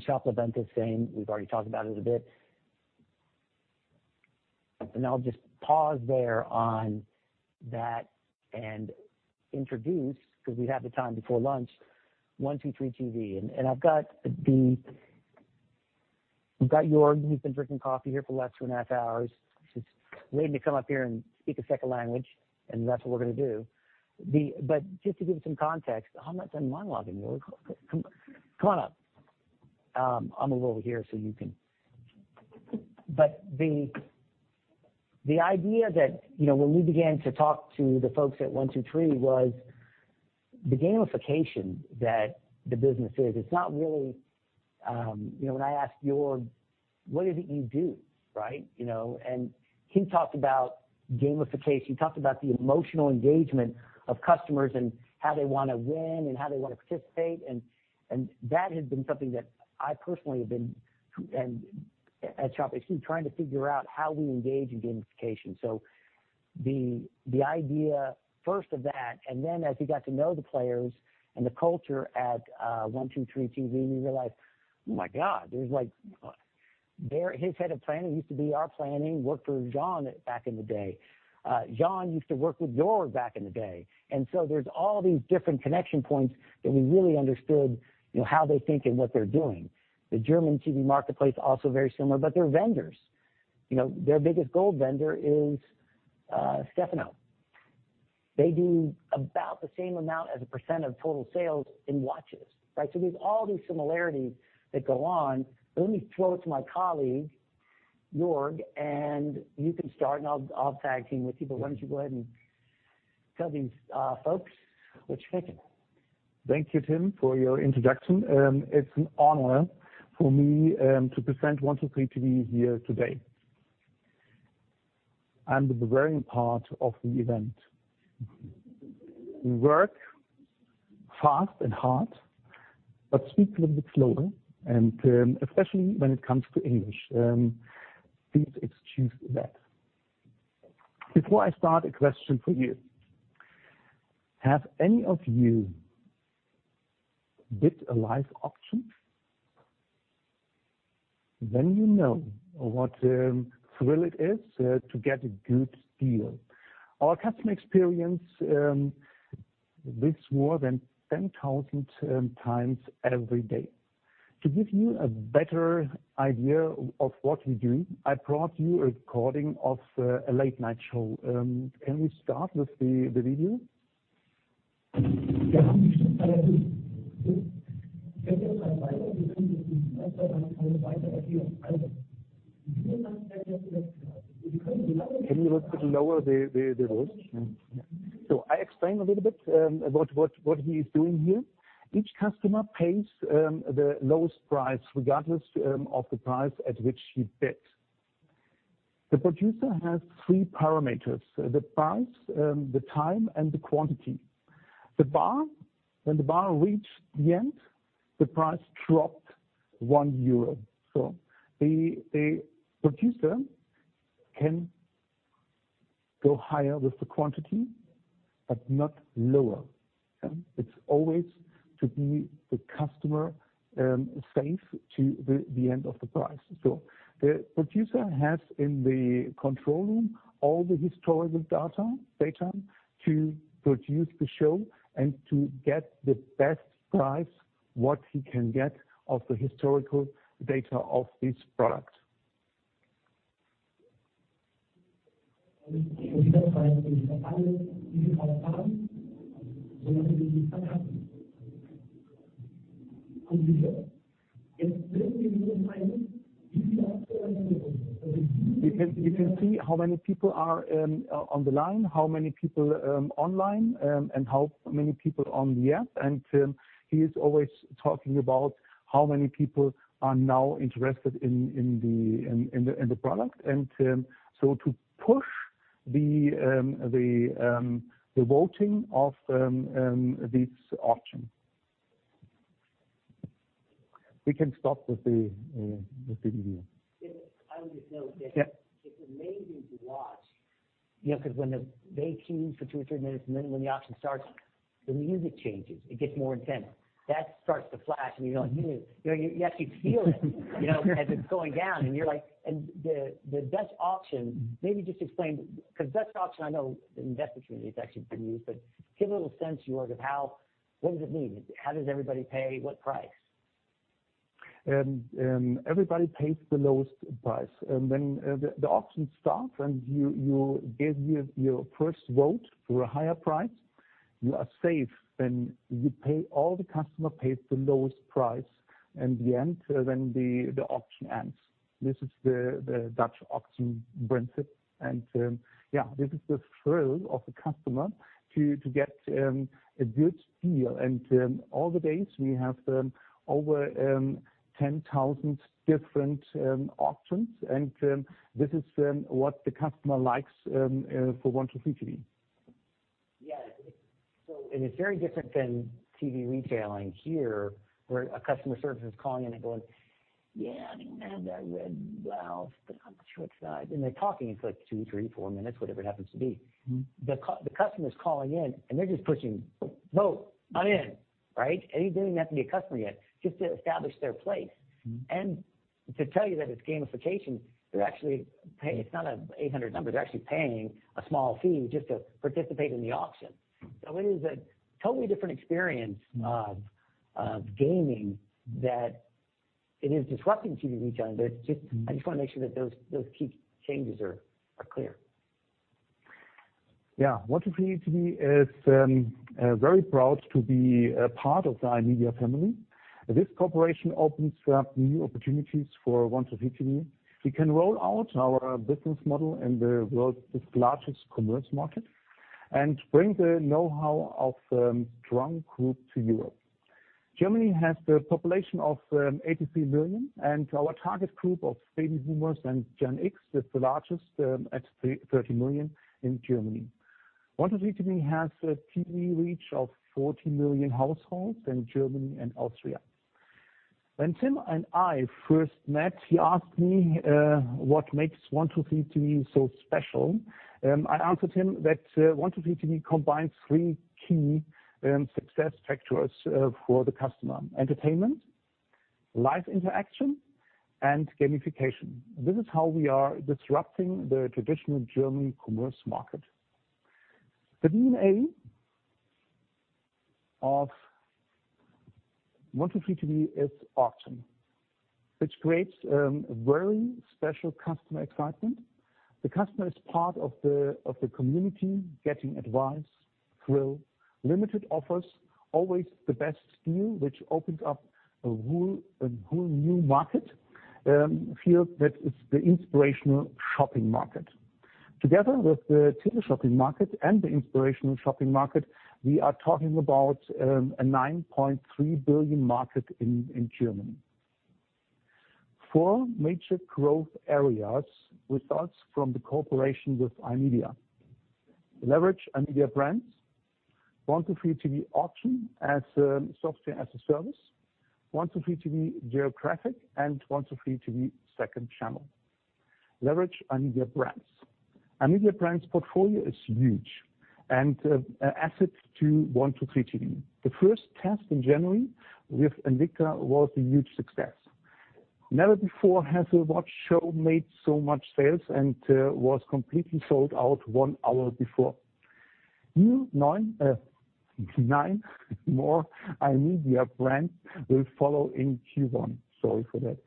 Shop LaVenta is same. We've already talked about it a bit. I'll just pause there on that and introduce, because we have the time before lunch, 1-2-3.tv. We've got Jörg, who's been drinking coffee here for the last 2.5 hours. He's waiting to come up here and speak a second language, and that's what we're gonna do. Just to give it some context. I'm not done monologuing, Jörg. Come on up. I'll move over here so you can. The idea that, you know, when we began to talk to the folks at 1-2-3.tv was the gamification that the business is. It's not really, you know, when I ask Jörg, what is it you do, right? You know, and he talked about gamification. He talked about the emotional engagement of customers and how they wanna win and how they wanna participate. And that has been something that I personally have been and at ShopHQ trying to figure out how we engage in gamification. The idea first of that, and then as we got to know the players and the culture at 1-2-3.tv, and you realize, oh my God, there's like. His head of planning used to be our planning, worked for John back in the day. John used to work with Jörg back in the day. There's all these different connection points that we really understood, you know, how they think and what they're doing. The German TV marketplace, also very similar, but they're vendors. You know, their biggest gold vendor is Stefano. They do about the same amount as a percent of total sales in watches, right? There's all these similarities that go on. Let me throw it to my colleague, Jörg, and you can start, and I'll tag team with people. Why don't you go ahead and tell these folks what you're thinking. Thank you, Tim, for your introduction. It's an honor for me to present 1-2-3.tv here today. I'm the foreign part of the event. We work fast and hard, but speak a little bit slower, and especially when it comes to English. Please excuse that. Before I start, a question for you. Have any of you bid in a live auction? Then you know what a thrill it is to get a good deal. Our customers bid more than 10,000 times every day. To give you a better idea of what we do, I brought you a recording of a late night show. Can we start with the video? Can you lower the voice? Yeah. I explain a little bit about what he's doing here. Each customer pays the lowest price regardless of the price at which he bids. The producer has three parameters: the price, the time, and the quantity. The bar, when the bar reached the end, the price dropped 1 euro. The producer can go higher with the quantity, but not lower. It's always to be the customer safe to the end of the price. The producer has in the control room all the historical data to produce the show and to get the best price what he can get of the historical data of this product. You can see how many people are on the line, how many people online, and how many people on the app. He is always talking about how many people are now interested in the product, and so to push the voting of this auction. We can stop with the video. Yeah. I would just note that. Yeah. It's amazing to watch, you know, 'cause when they tune for two or three minutes, and then when the auction starts, the music changes. It gets more intense. That starts to flash, and you're going, ooh. You know, you actually feel it you know, as it's going down, and you're like. The Dutch auction, maybe just explain, 'cause Dutch auction, I know the investor community has actually used, but give a little sense, Jörg, of what does it mean. How does everybody pay? What price? Everybody pays the lowest price. Then, the auction starts, and you give your first vote for a higher price. You are safe, and all customers pay the lowest price in the end when the auction ends. This is the Dutch auction benefit. Yeah, this is the thrill of the customer to get a good deal. Every day, we have over 10,000 different auctions, and this is what the customer likes for 1-2-3.tv. Yeah. It's very different than TV retailing here, where a customer service is calling in and going, "Yeah, I think I have that red blouse, but I'm not sure it's size." They're talking, it's like 2, 3, 4 minutes, whatever it happens to be. Mm-hmm. The customer's calling in, and they're just pushing, "Vote. I'm in." Right? And you don't even have to be a customer yet just to establish their place. Mm-hmm. To tell you that it's gamification. It's not an 800 number. They're actually paying a small fee just to participate in the auction. It is a totally different experience. Mm-hmm. of gaming that it is disrupting TV retailing, but it's just. Mm-hmm. I just wanna make sure that those key changes are clear. Yeah. 1-2-3.tv is very proud to be a part of the iMedia family. This cooperation opens up new opportunities for 1-2-3.tv. We can roll out our business model in the world's largest commerce market and bring the know-how of strong group to Europe. Germany has the population of 83 million, and our target group of baby boomers and Gen X is the largest at 30 million in Germany. 1-2-3.tv has a TV reach of 40 million households in Germany and Austria. When Tim and I first met, he asked me what makes 1-2-3.tv so special. I answered him that 1-2-3.tv combines three key success factors for the customer. Entertainment, live interaction, and gamification. This is how we are disrupting the traditional German commerce market. The DNA of 1-2-3.tv is auction, which creates a very special customer excitement. The customer is part of the community, getting advice, thrill, limited offers, always the best deal, which opens up a whole new market, field that is the inspirational shopping market. Together with the teleshopping market and the inspirational shopping market, we are talking about a 9.3 billion market in Germany. Four major growth areas with us from the cooperation with iMedia Brands: leverage iMedia Brands, 1-2-3.tv auction as software as a service, 1-2-3.tv geographic, and 1-2-3.tv second channel. Leverage iMedia Brands. iMedia Brands portfolio is huge and an asset to 1-2-3.tv. The first test in January with Invicta was a huge success. Never before has a watch show made so much sales and was completely sold out one hour before. Nine more iMedia Brands will follow in Q1. Sorry for that.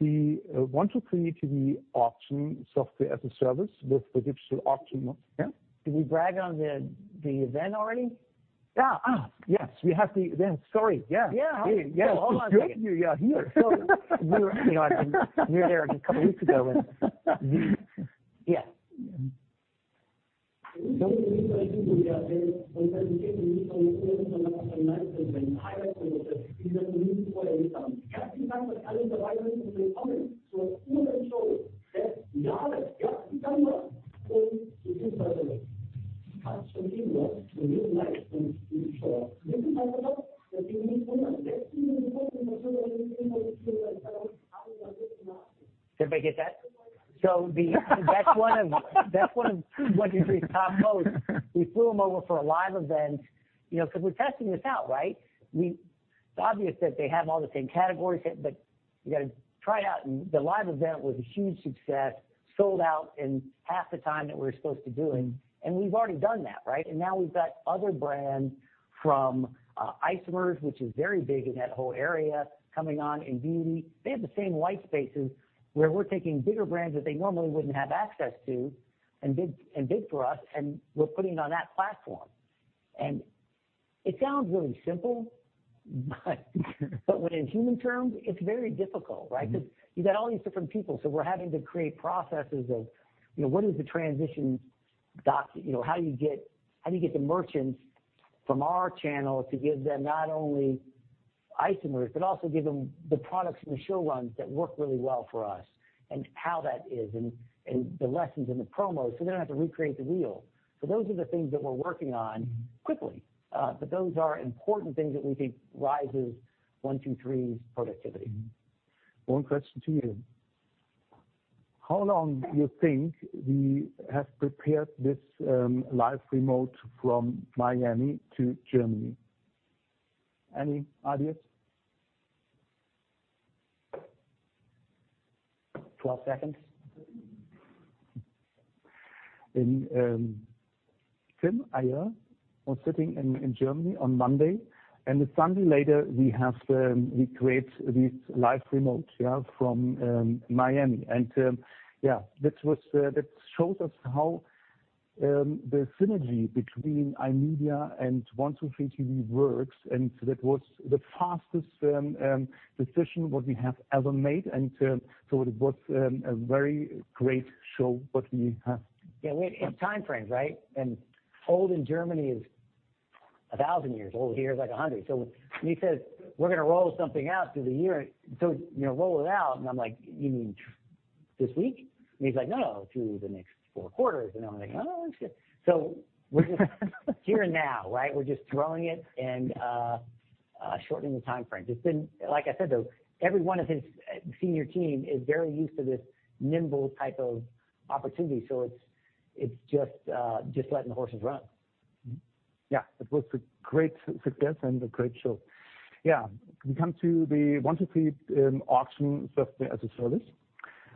The 1-2-3.tv auction software as a service with the digital auction, yeah? Did we brag on the event already? Yeah. Yes. We have the event. Sorry. Yeah. Yeah. Yeah. It's good you are here. We were there a couple weeks ago. Yeah. Did everybody get that? That's one of 1-2-3.tv's top shows. We flew them over for a live event, you know, 'cause we're testing this out, right? It's obvious that they have all the same categories that, but you gotta try it out, and the live event was a huge success, sold out in half the time that we're supposed to do. We've already done that, right? Now we've got other brands from Isomers, which is very big in that whole area, coming on in beauty. They have the same white spaces where we're taking bigger brands that they normally wouldn't have access to and bid for us, and we're putting it on that platform. It sounds really simple, but when in human terms, it's very difficult, right? Mm-hmm. 'Cause you got all these different people, so we're having to create processes of, you know, how do you get the merchants from our channel to give them not only Isomers but also give them the products from the show runs that work really well for us, and how that is, and the lessons and the promos, so they don't have to recreate the wheel. Those are the things that we're working on quickly, but those are important things that we think raises 1-2-3's productivity. One question to you. How long do you think we have prepared this live remote from Miami to Germany? Any ideas? 12 seconds. Tim Peterman was sitting in Germany on Monday, and a Sunday later, we create this live remote, yeah, from Miami. That shows us how the synergy between iMedia and 1-2-3.tv works, and that was the fastest decision what we have ever made. It was a very great show, what we have. Yeah, it's time frames, right? Old in Germany is 1,000 years. Old here is like 100. When he says, "We're gonna roll something out through the year," you know, roll it out, and I'm like, "You mean this week?" He's like, "No, through the next 4 quarters." I'm like, "Oh, that's it." We're here and now, right? We're just throwing it and shortening the time frame. It's been, like I said, though, every one of his senior team is very used to this nimble type of opportunity. It's just letting the horses run. Yeah. It was a great success and a great show. Yeah. We come to the 1-2-3 auction software as a service.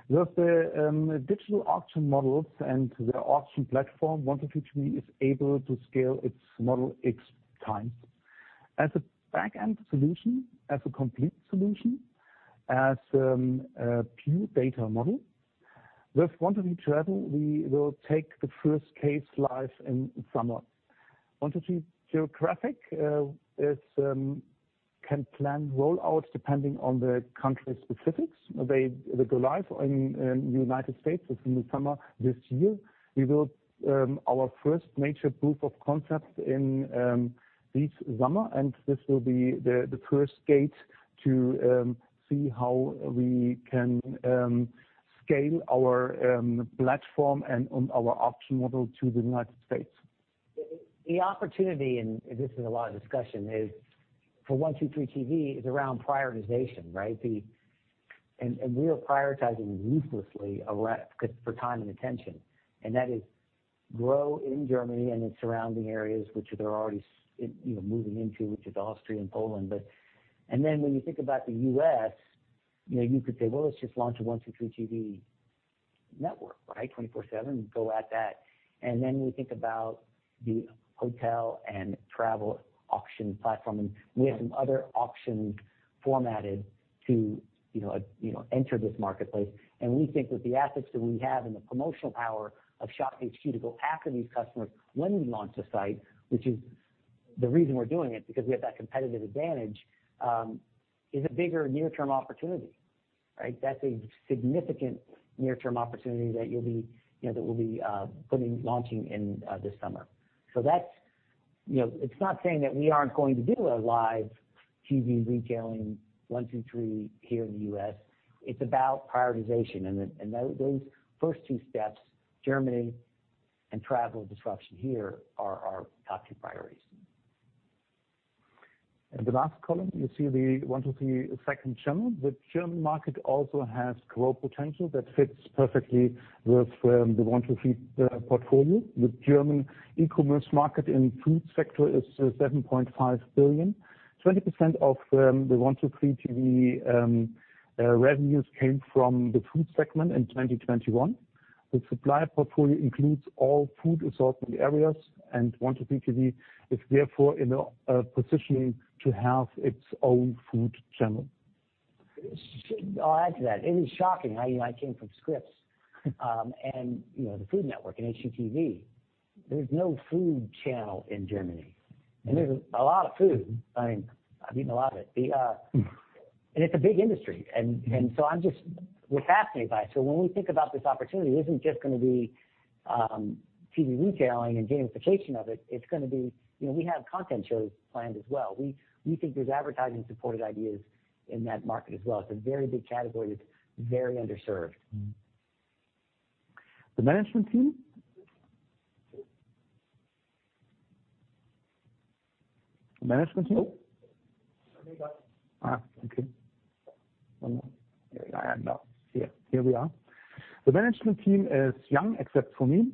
With the digital auction models and the auction platform, 1-2-3.tv is able to scale its model x times. As a back-end solution, as a complete solution, as a pure data model. With 1-2-3 Travel, we will take the first case live in summer. 1-2-3 Geographic is planned rollout depending on the country specifics. They go live in United States in the summer this year. We build our first major proof of concept in this summer, and this will be the first gate to see how we can scale our platform and our auction model to the United States. The opportunity, and this is a lot of discussion, is for 1-2-3.tv around prioritization, right? We are prioritizing ruthlessly around 'cause of time and attention, and that is growth in Germany and its surrounding areas, which they're already, you know, moving into, which is Austria and Poland. When you think about the U.S., you know, you could say, "Well, let's just launch a 1-2-3.tv network, right? 24/7, go at that." We think about the hotel and travel auction platform, and we have some other auctions formatted to, you know, enter this marketplace. We think with the assets that we have and the promotional power of ShopHQ to go after these customers when we launch the site, which is the reason we're doing it, because we have that competitive advantage is a bigger near-term opportunity, right? That's a significant near-term opportunity that we'll be launching in this summer. That's it. It's not saying that we aren't going to do a live TV retailing one two three here in the U.S. It's about prioritization. Then those first two steps, Germany and travel disruption here are our top two priorities. In the last column, you see the 1-2-3 second channel. The German market also has growth potential that fits perfectly with the 1-2-3 portfolio. The German e-commerce market in food sector is 7.5 billion. 20% of the 1-2-3.tv revenues came from the food segment in 2021. The supplier portfolio includes all food assortment areas, and 1-2-3.tv is therefore in a positioning to have its own food channel. I'll add to that. It is shocking. You know, I came from Scripps. You know, the Food Network and HGTV. There's no food channel in Germany. There's a lot of food. I mean, I've eaten a lot of it. It's a big industry. We're fascinated by it. When we think about this opportunity, it isn't just gonna be TV retailing and gamification of it's gonna be. You know, we have content shows planned as well. We think there's advertising-supported ideas in that market as well. It's a very big category that's very underserved. The management team. Oh. Coming up. Okay. One more. Here we are now. The management team is young, except for me,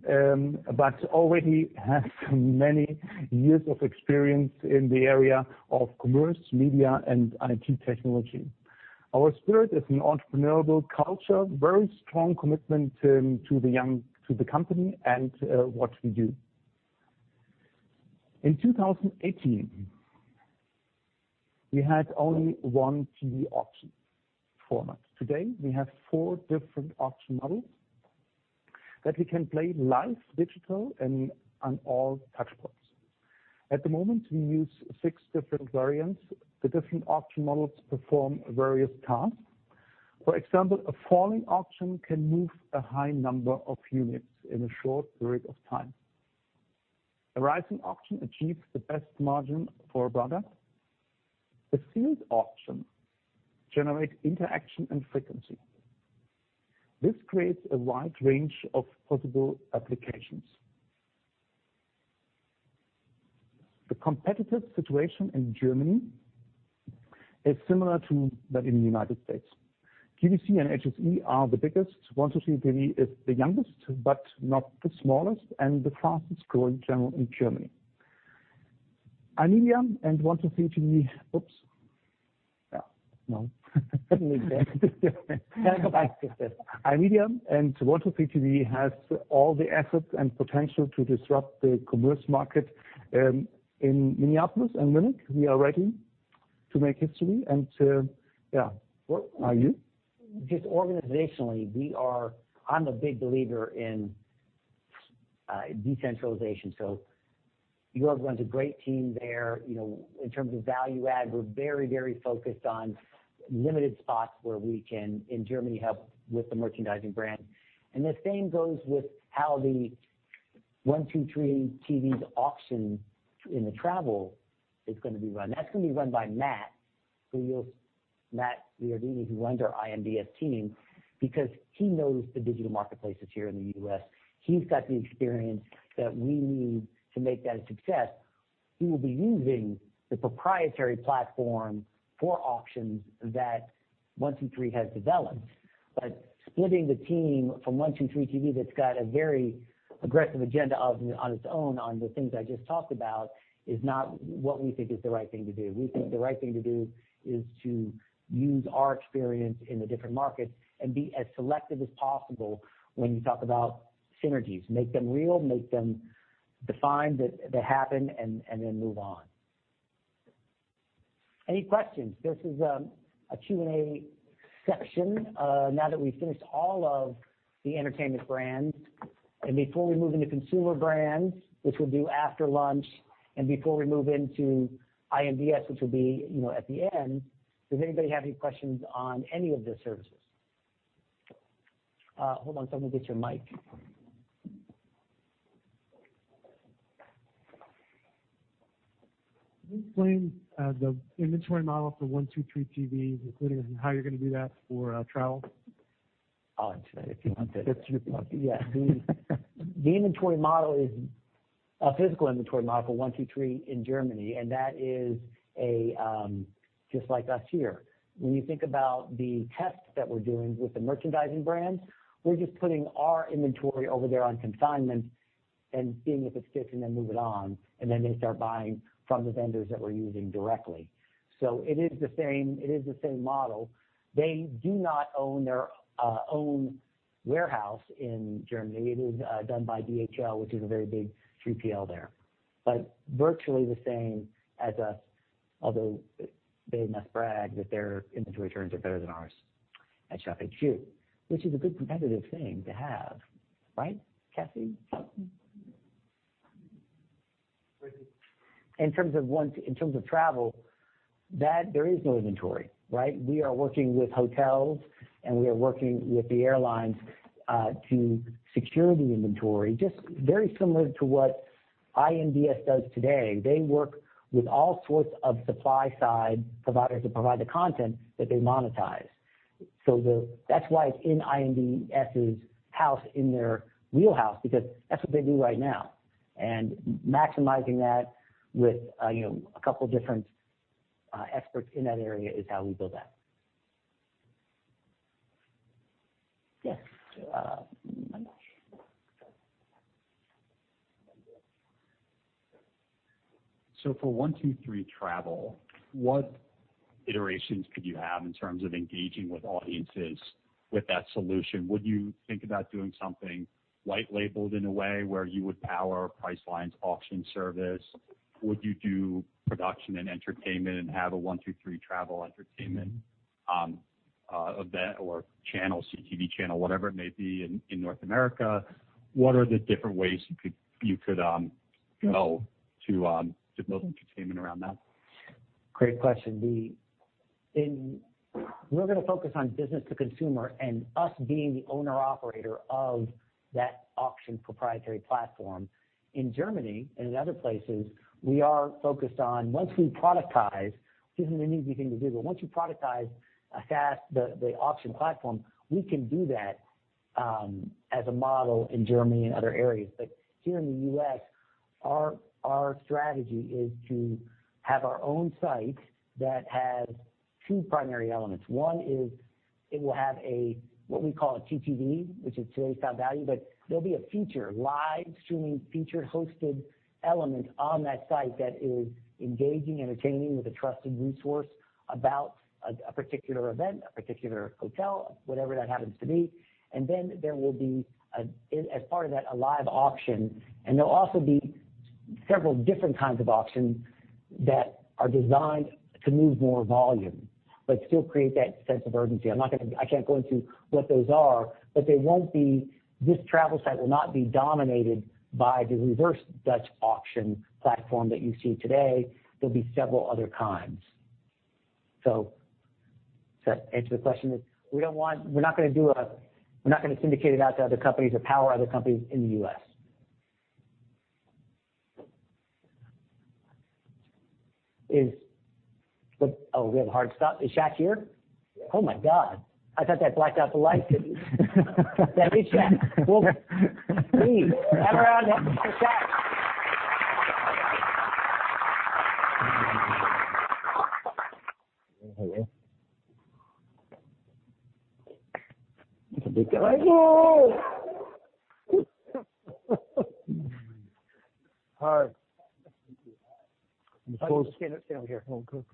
but already has many years of experience in the area of commerce, media, and IT technology. Our spirit is an entrepreneurial culture, very strong commitment to the young, to the company and what we do. In 2018, we had only one TV auction format. Today, we have four different auction models that we can play live, digital, and on all touchpoints. At the moment, we use six different variants. The different auction models perform various tasks. For example, a falling auction can move a high number of units in a short period of time. A rising auction achieves the best margin for a product. A sealed auction generates interaction and frequency. This creates a wide range of possible applications. The competitive situation in Germany is similar to that in the United States. QVC and HSE are the biggest. 1-2-3.tv is the youngest, but not the smallest and the fastest-growing channel in Germany. Kind of back to this. iMedia and 1-2-3.tv has all the assets and potential to disrupt the commerce market. In Minneapolis and Munich, we are ready to make history and to, yeah. What are you? Just organizationally, we are. I'm a big believer in decentralization. Jörg runs a great team there. You know, in terms of value add, we're very, very focused on limited spots where we can, in Germany, help with the merchandising brand. The same goes with how the 1-2-3.tv's auction in the travel is gonna be run. That's gonna be run by Matt Giardini, who runs our iMDS team, because he knows the digital marketplaces here in the U.S. He's got the experience that we need to make that a success. He will be using the proprietary platform for auctions that 1-2-3.tv has developed. Splitting the team from 1-2-3.tv that's got a very aggressive agenda of on its own, on the things I just talked about, is not what we think is the right thing to do. We think the right thing to do is to use our experience in the different markets and be as selective as possible when you talk about synergies, make them real, make them defined, that happen and then move on. Any questions? This is a Q&A session now that we've finished all of the entertainment brands, and before we move into consumer brands, which we'll do after lunch, and before we move into IMDS, which will be at the end. Does anybody have any questions on any of the services? Hold on. Someone get you a mic. Can you explain the inventory model for 1-2-3.tv, including how you're gonna do that for travel? I'll answer that if you want to. That's your yeah. The inventory model is a physical inventory model for 1-2-3.tv in Germany, and that is just like us here. When you think about the tests that we're doing with the merchandising brands, we're just putting our inventory over there on consignment and seeing if it sticks and then move it on. They start buying from the vendors that we're using directly. It is the same model. They do not own their own warehouse in Germany. It is done by DHL, which is a very big 3PL there. Virtually the same as us, although they must brag that their inventory terms are better than ours at ShopHQ, which is a good competitive thing to have, right, Cassie? In terms of travel, there is no inventory, right? We are working with hotels, and we are working with the airlines, to secure the inventory. Just very similar to what iMDS does today. They work with all sorts of supply-side providers that provide the content that they monetize. That's why it's in iMDS's house, in their wheelhouse, because that's what they do right now. Maximizing that with, you know, a couple different experts in that area is how we build that. Yes, Mike. For 1-2-3.tv, what iterations could you have in terms of engaging with audiences with that solution? Would you think about doing something white labeled in a way where you would power Priceline's auction service? Would you do production and entertainment and have a 1-2-3.tv entertainment event or channel, CTV channel, whatever it may be, in North America? What are the different ways you could go to build entertainment around that? Great question. We're gonna focus on business to consumer and us being the owner operator of that auction proprietary platform. In Germany and in other places, we are focused on once we productize, which isn't an easy thing to do, but once you productize a SaaS, the auction platform, we can do that as a model in Germany and other areas. But here in the U.S., our strategy is to have our own site that has two primary elements. One is it will have what we call a TTV, which is today's top value. But there'll be a feature, live streaming featured hosted element on that site that is engaging, entertaining with a trusted resource about a particular event, a particular hotel, whatever that happens to be. Then there will be, as part of that, a live auction. There'll also be several different kinds of auctions that are designed to move more volume, but still create that sense of urgency. I can't go into what those are, but they won't be. This travel site will not be dominated by the reverse Dutch auction platform that you see today. There'll be several other kinds. So does that answer the question? We're not gonna syndicate it out to other companies or power other companies in the U.S. Oh, we have a hard stop. Is Shaq here? Yes. Oh, my God. I thought that blacked out the lights. That is Shaq. Well, please have a round for Shaq. Hello. It's a big guy. Whoa. Hi. Stand up here. Okay. I'm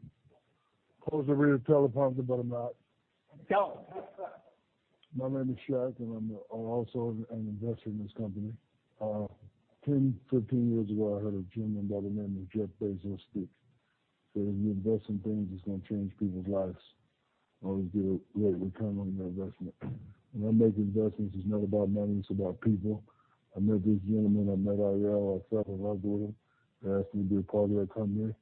supposed to read a teleprompter, but I'm not. Tell 'em. My name is Shaq, and I'm also an investor in this company. 10, 15 years ago, I heard a gentleman by the name of Jeff Bezos speak, saying, "If you invest in things, it's gonna change people's lives. Always get a great return on your investment." When I make investments, it's not about money, it's about people. I met this gentleman. I met Eyal Lalo. I fell in love with him. He asked me to be a part of their company.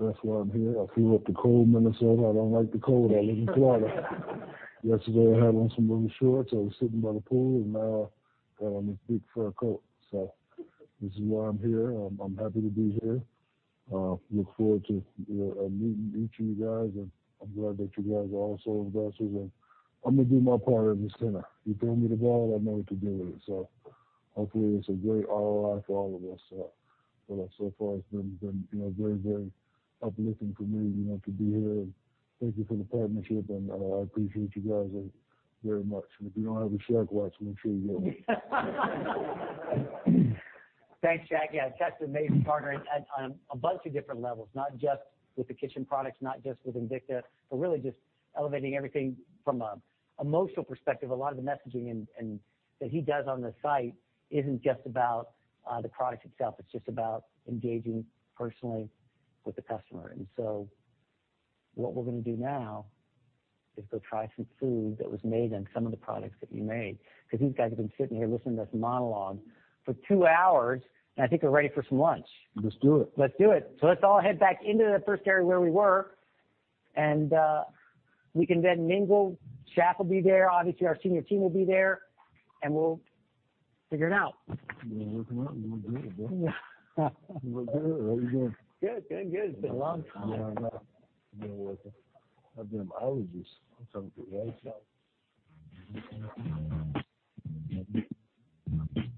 That's why I'm here. I flew up to cold Minnesota. I don't like the cold. I live in Florida. Yesterday, I had on some little shorts. I was sitting by the pool, and now I got on this big fur coat. This is why I'm here. I'm happy to be here. Look forward to, you know, meeting each of you guys. I'm glad that you guys are also investors. I'm gonna do my part as a center. You throw me the ball, I know what to do with it. Hopefully it's a great ROI for all of us. So far it's been, you know, very, very uplifting for me, you know, to be here. Thank you for the partnership, and I appreciate you guys very much. If you don't have a ShaqWatch, make sure you get one. Thanks, Shaq. Yeah, Shaq's an amazing partner on a bunch of different levels, not just with the kitchen products, not just with Invicta, but really just elevating everything from an emotional perspective. A lot of the messaging and that he does on the site isn't just about the product itself, it's just about engaging personally with the customer. What we're gonna do now is go try some food that was made on some of the products that you made, 'cause these guys have been sitting here listening to this monologue for two hours, and I think they're ready for some lunch. Let's do it. Let's do it. Let's all head back into the first area where we were and we can then mingle. Shaq will be there. Obviously, our senior team will be there, and we'll figure it out. We'll work 'em out and do it, bro. How we doing? Good. Doing good. It's been a long time. Yeah, I know. You know, working. Goddamn, I was just hungry.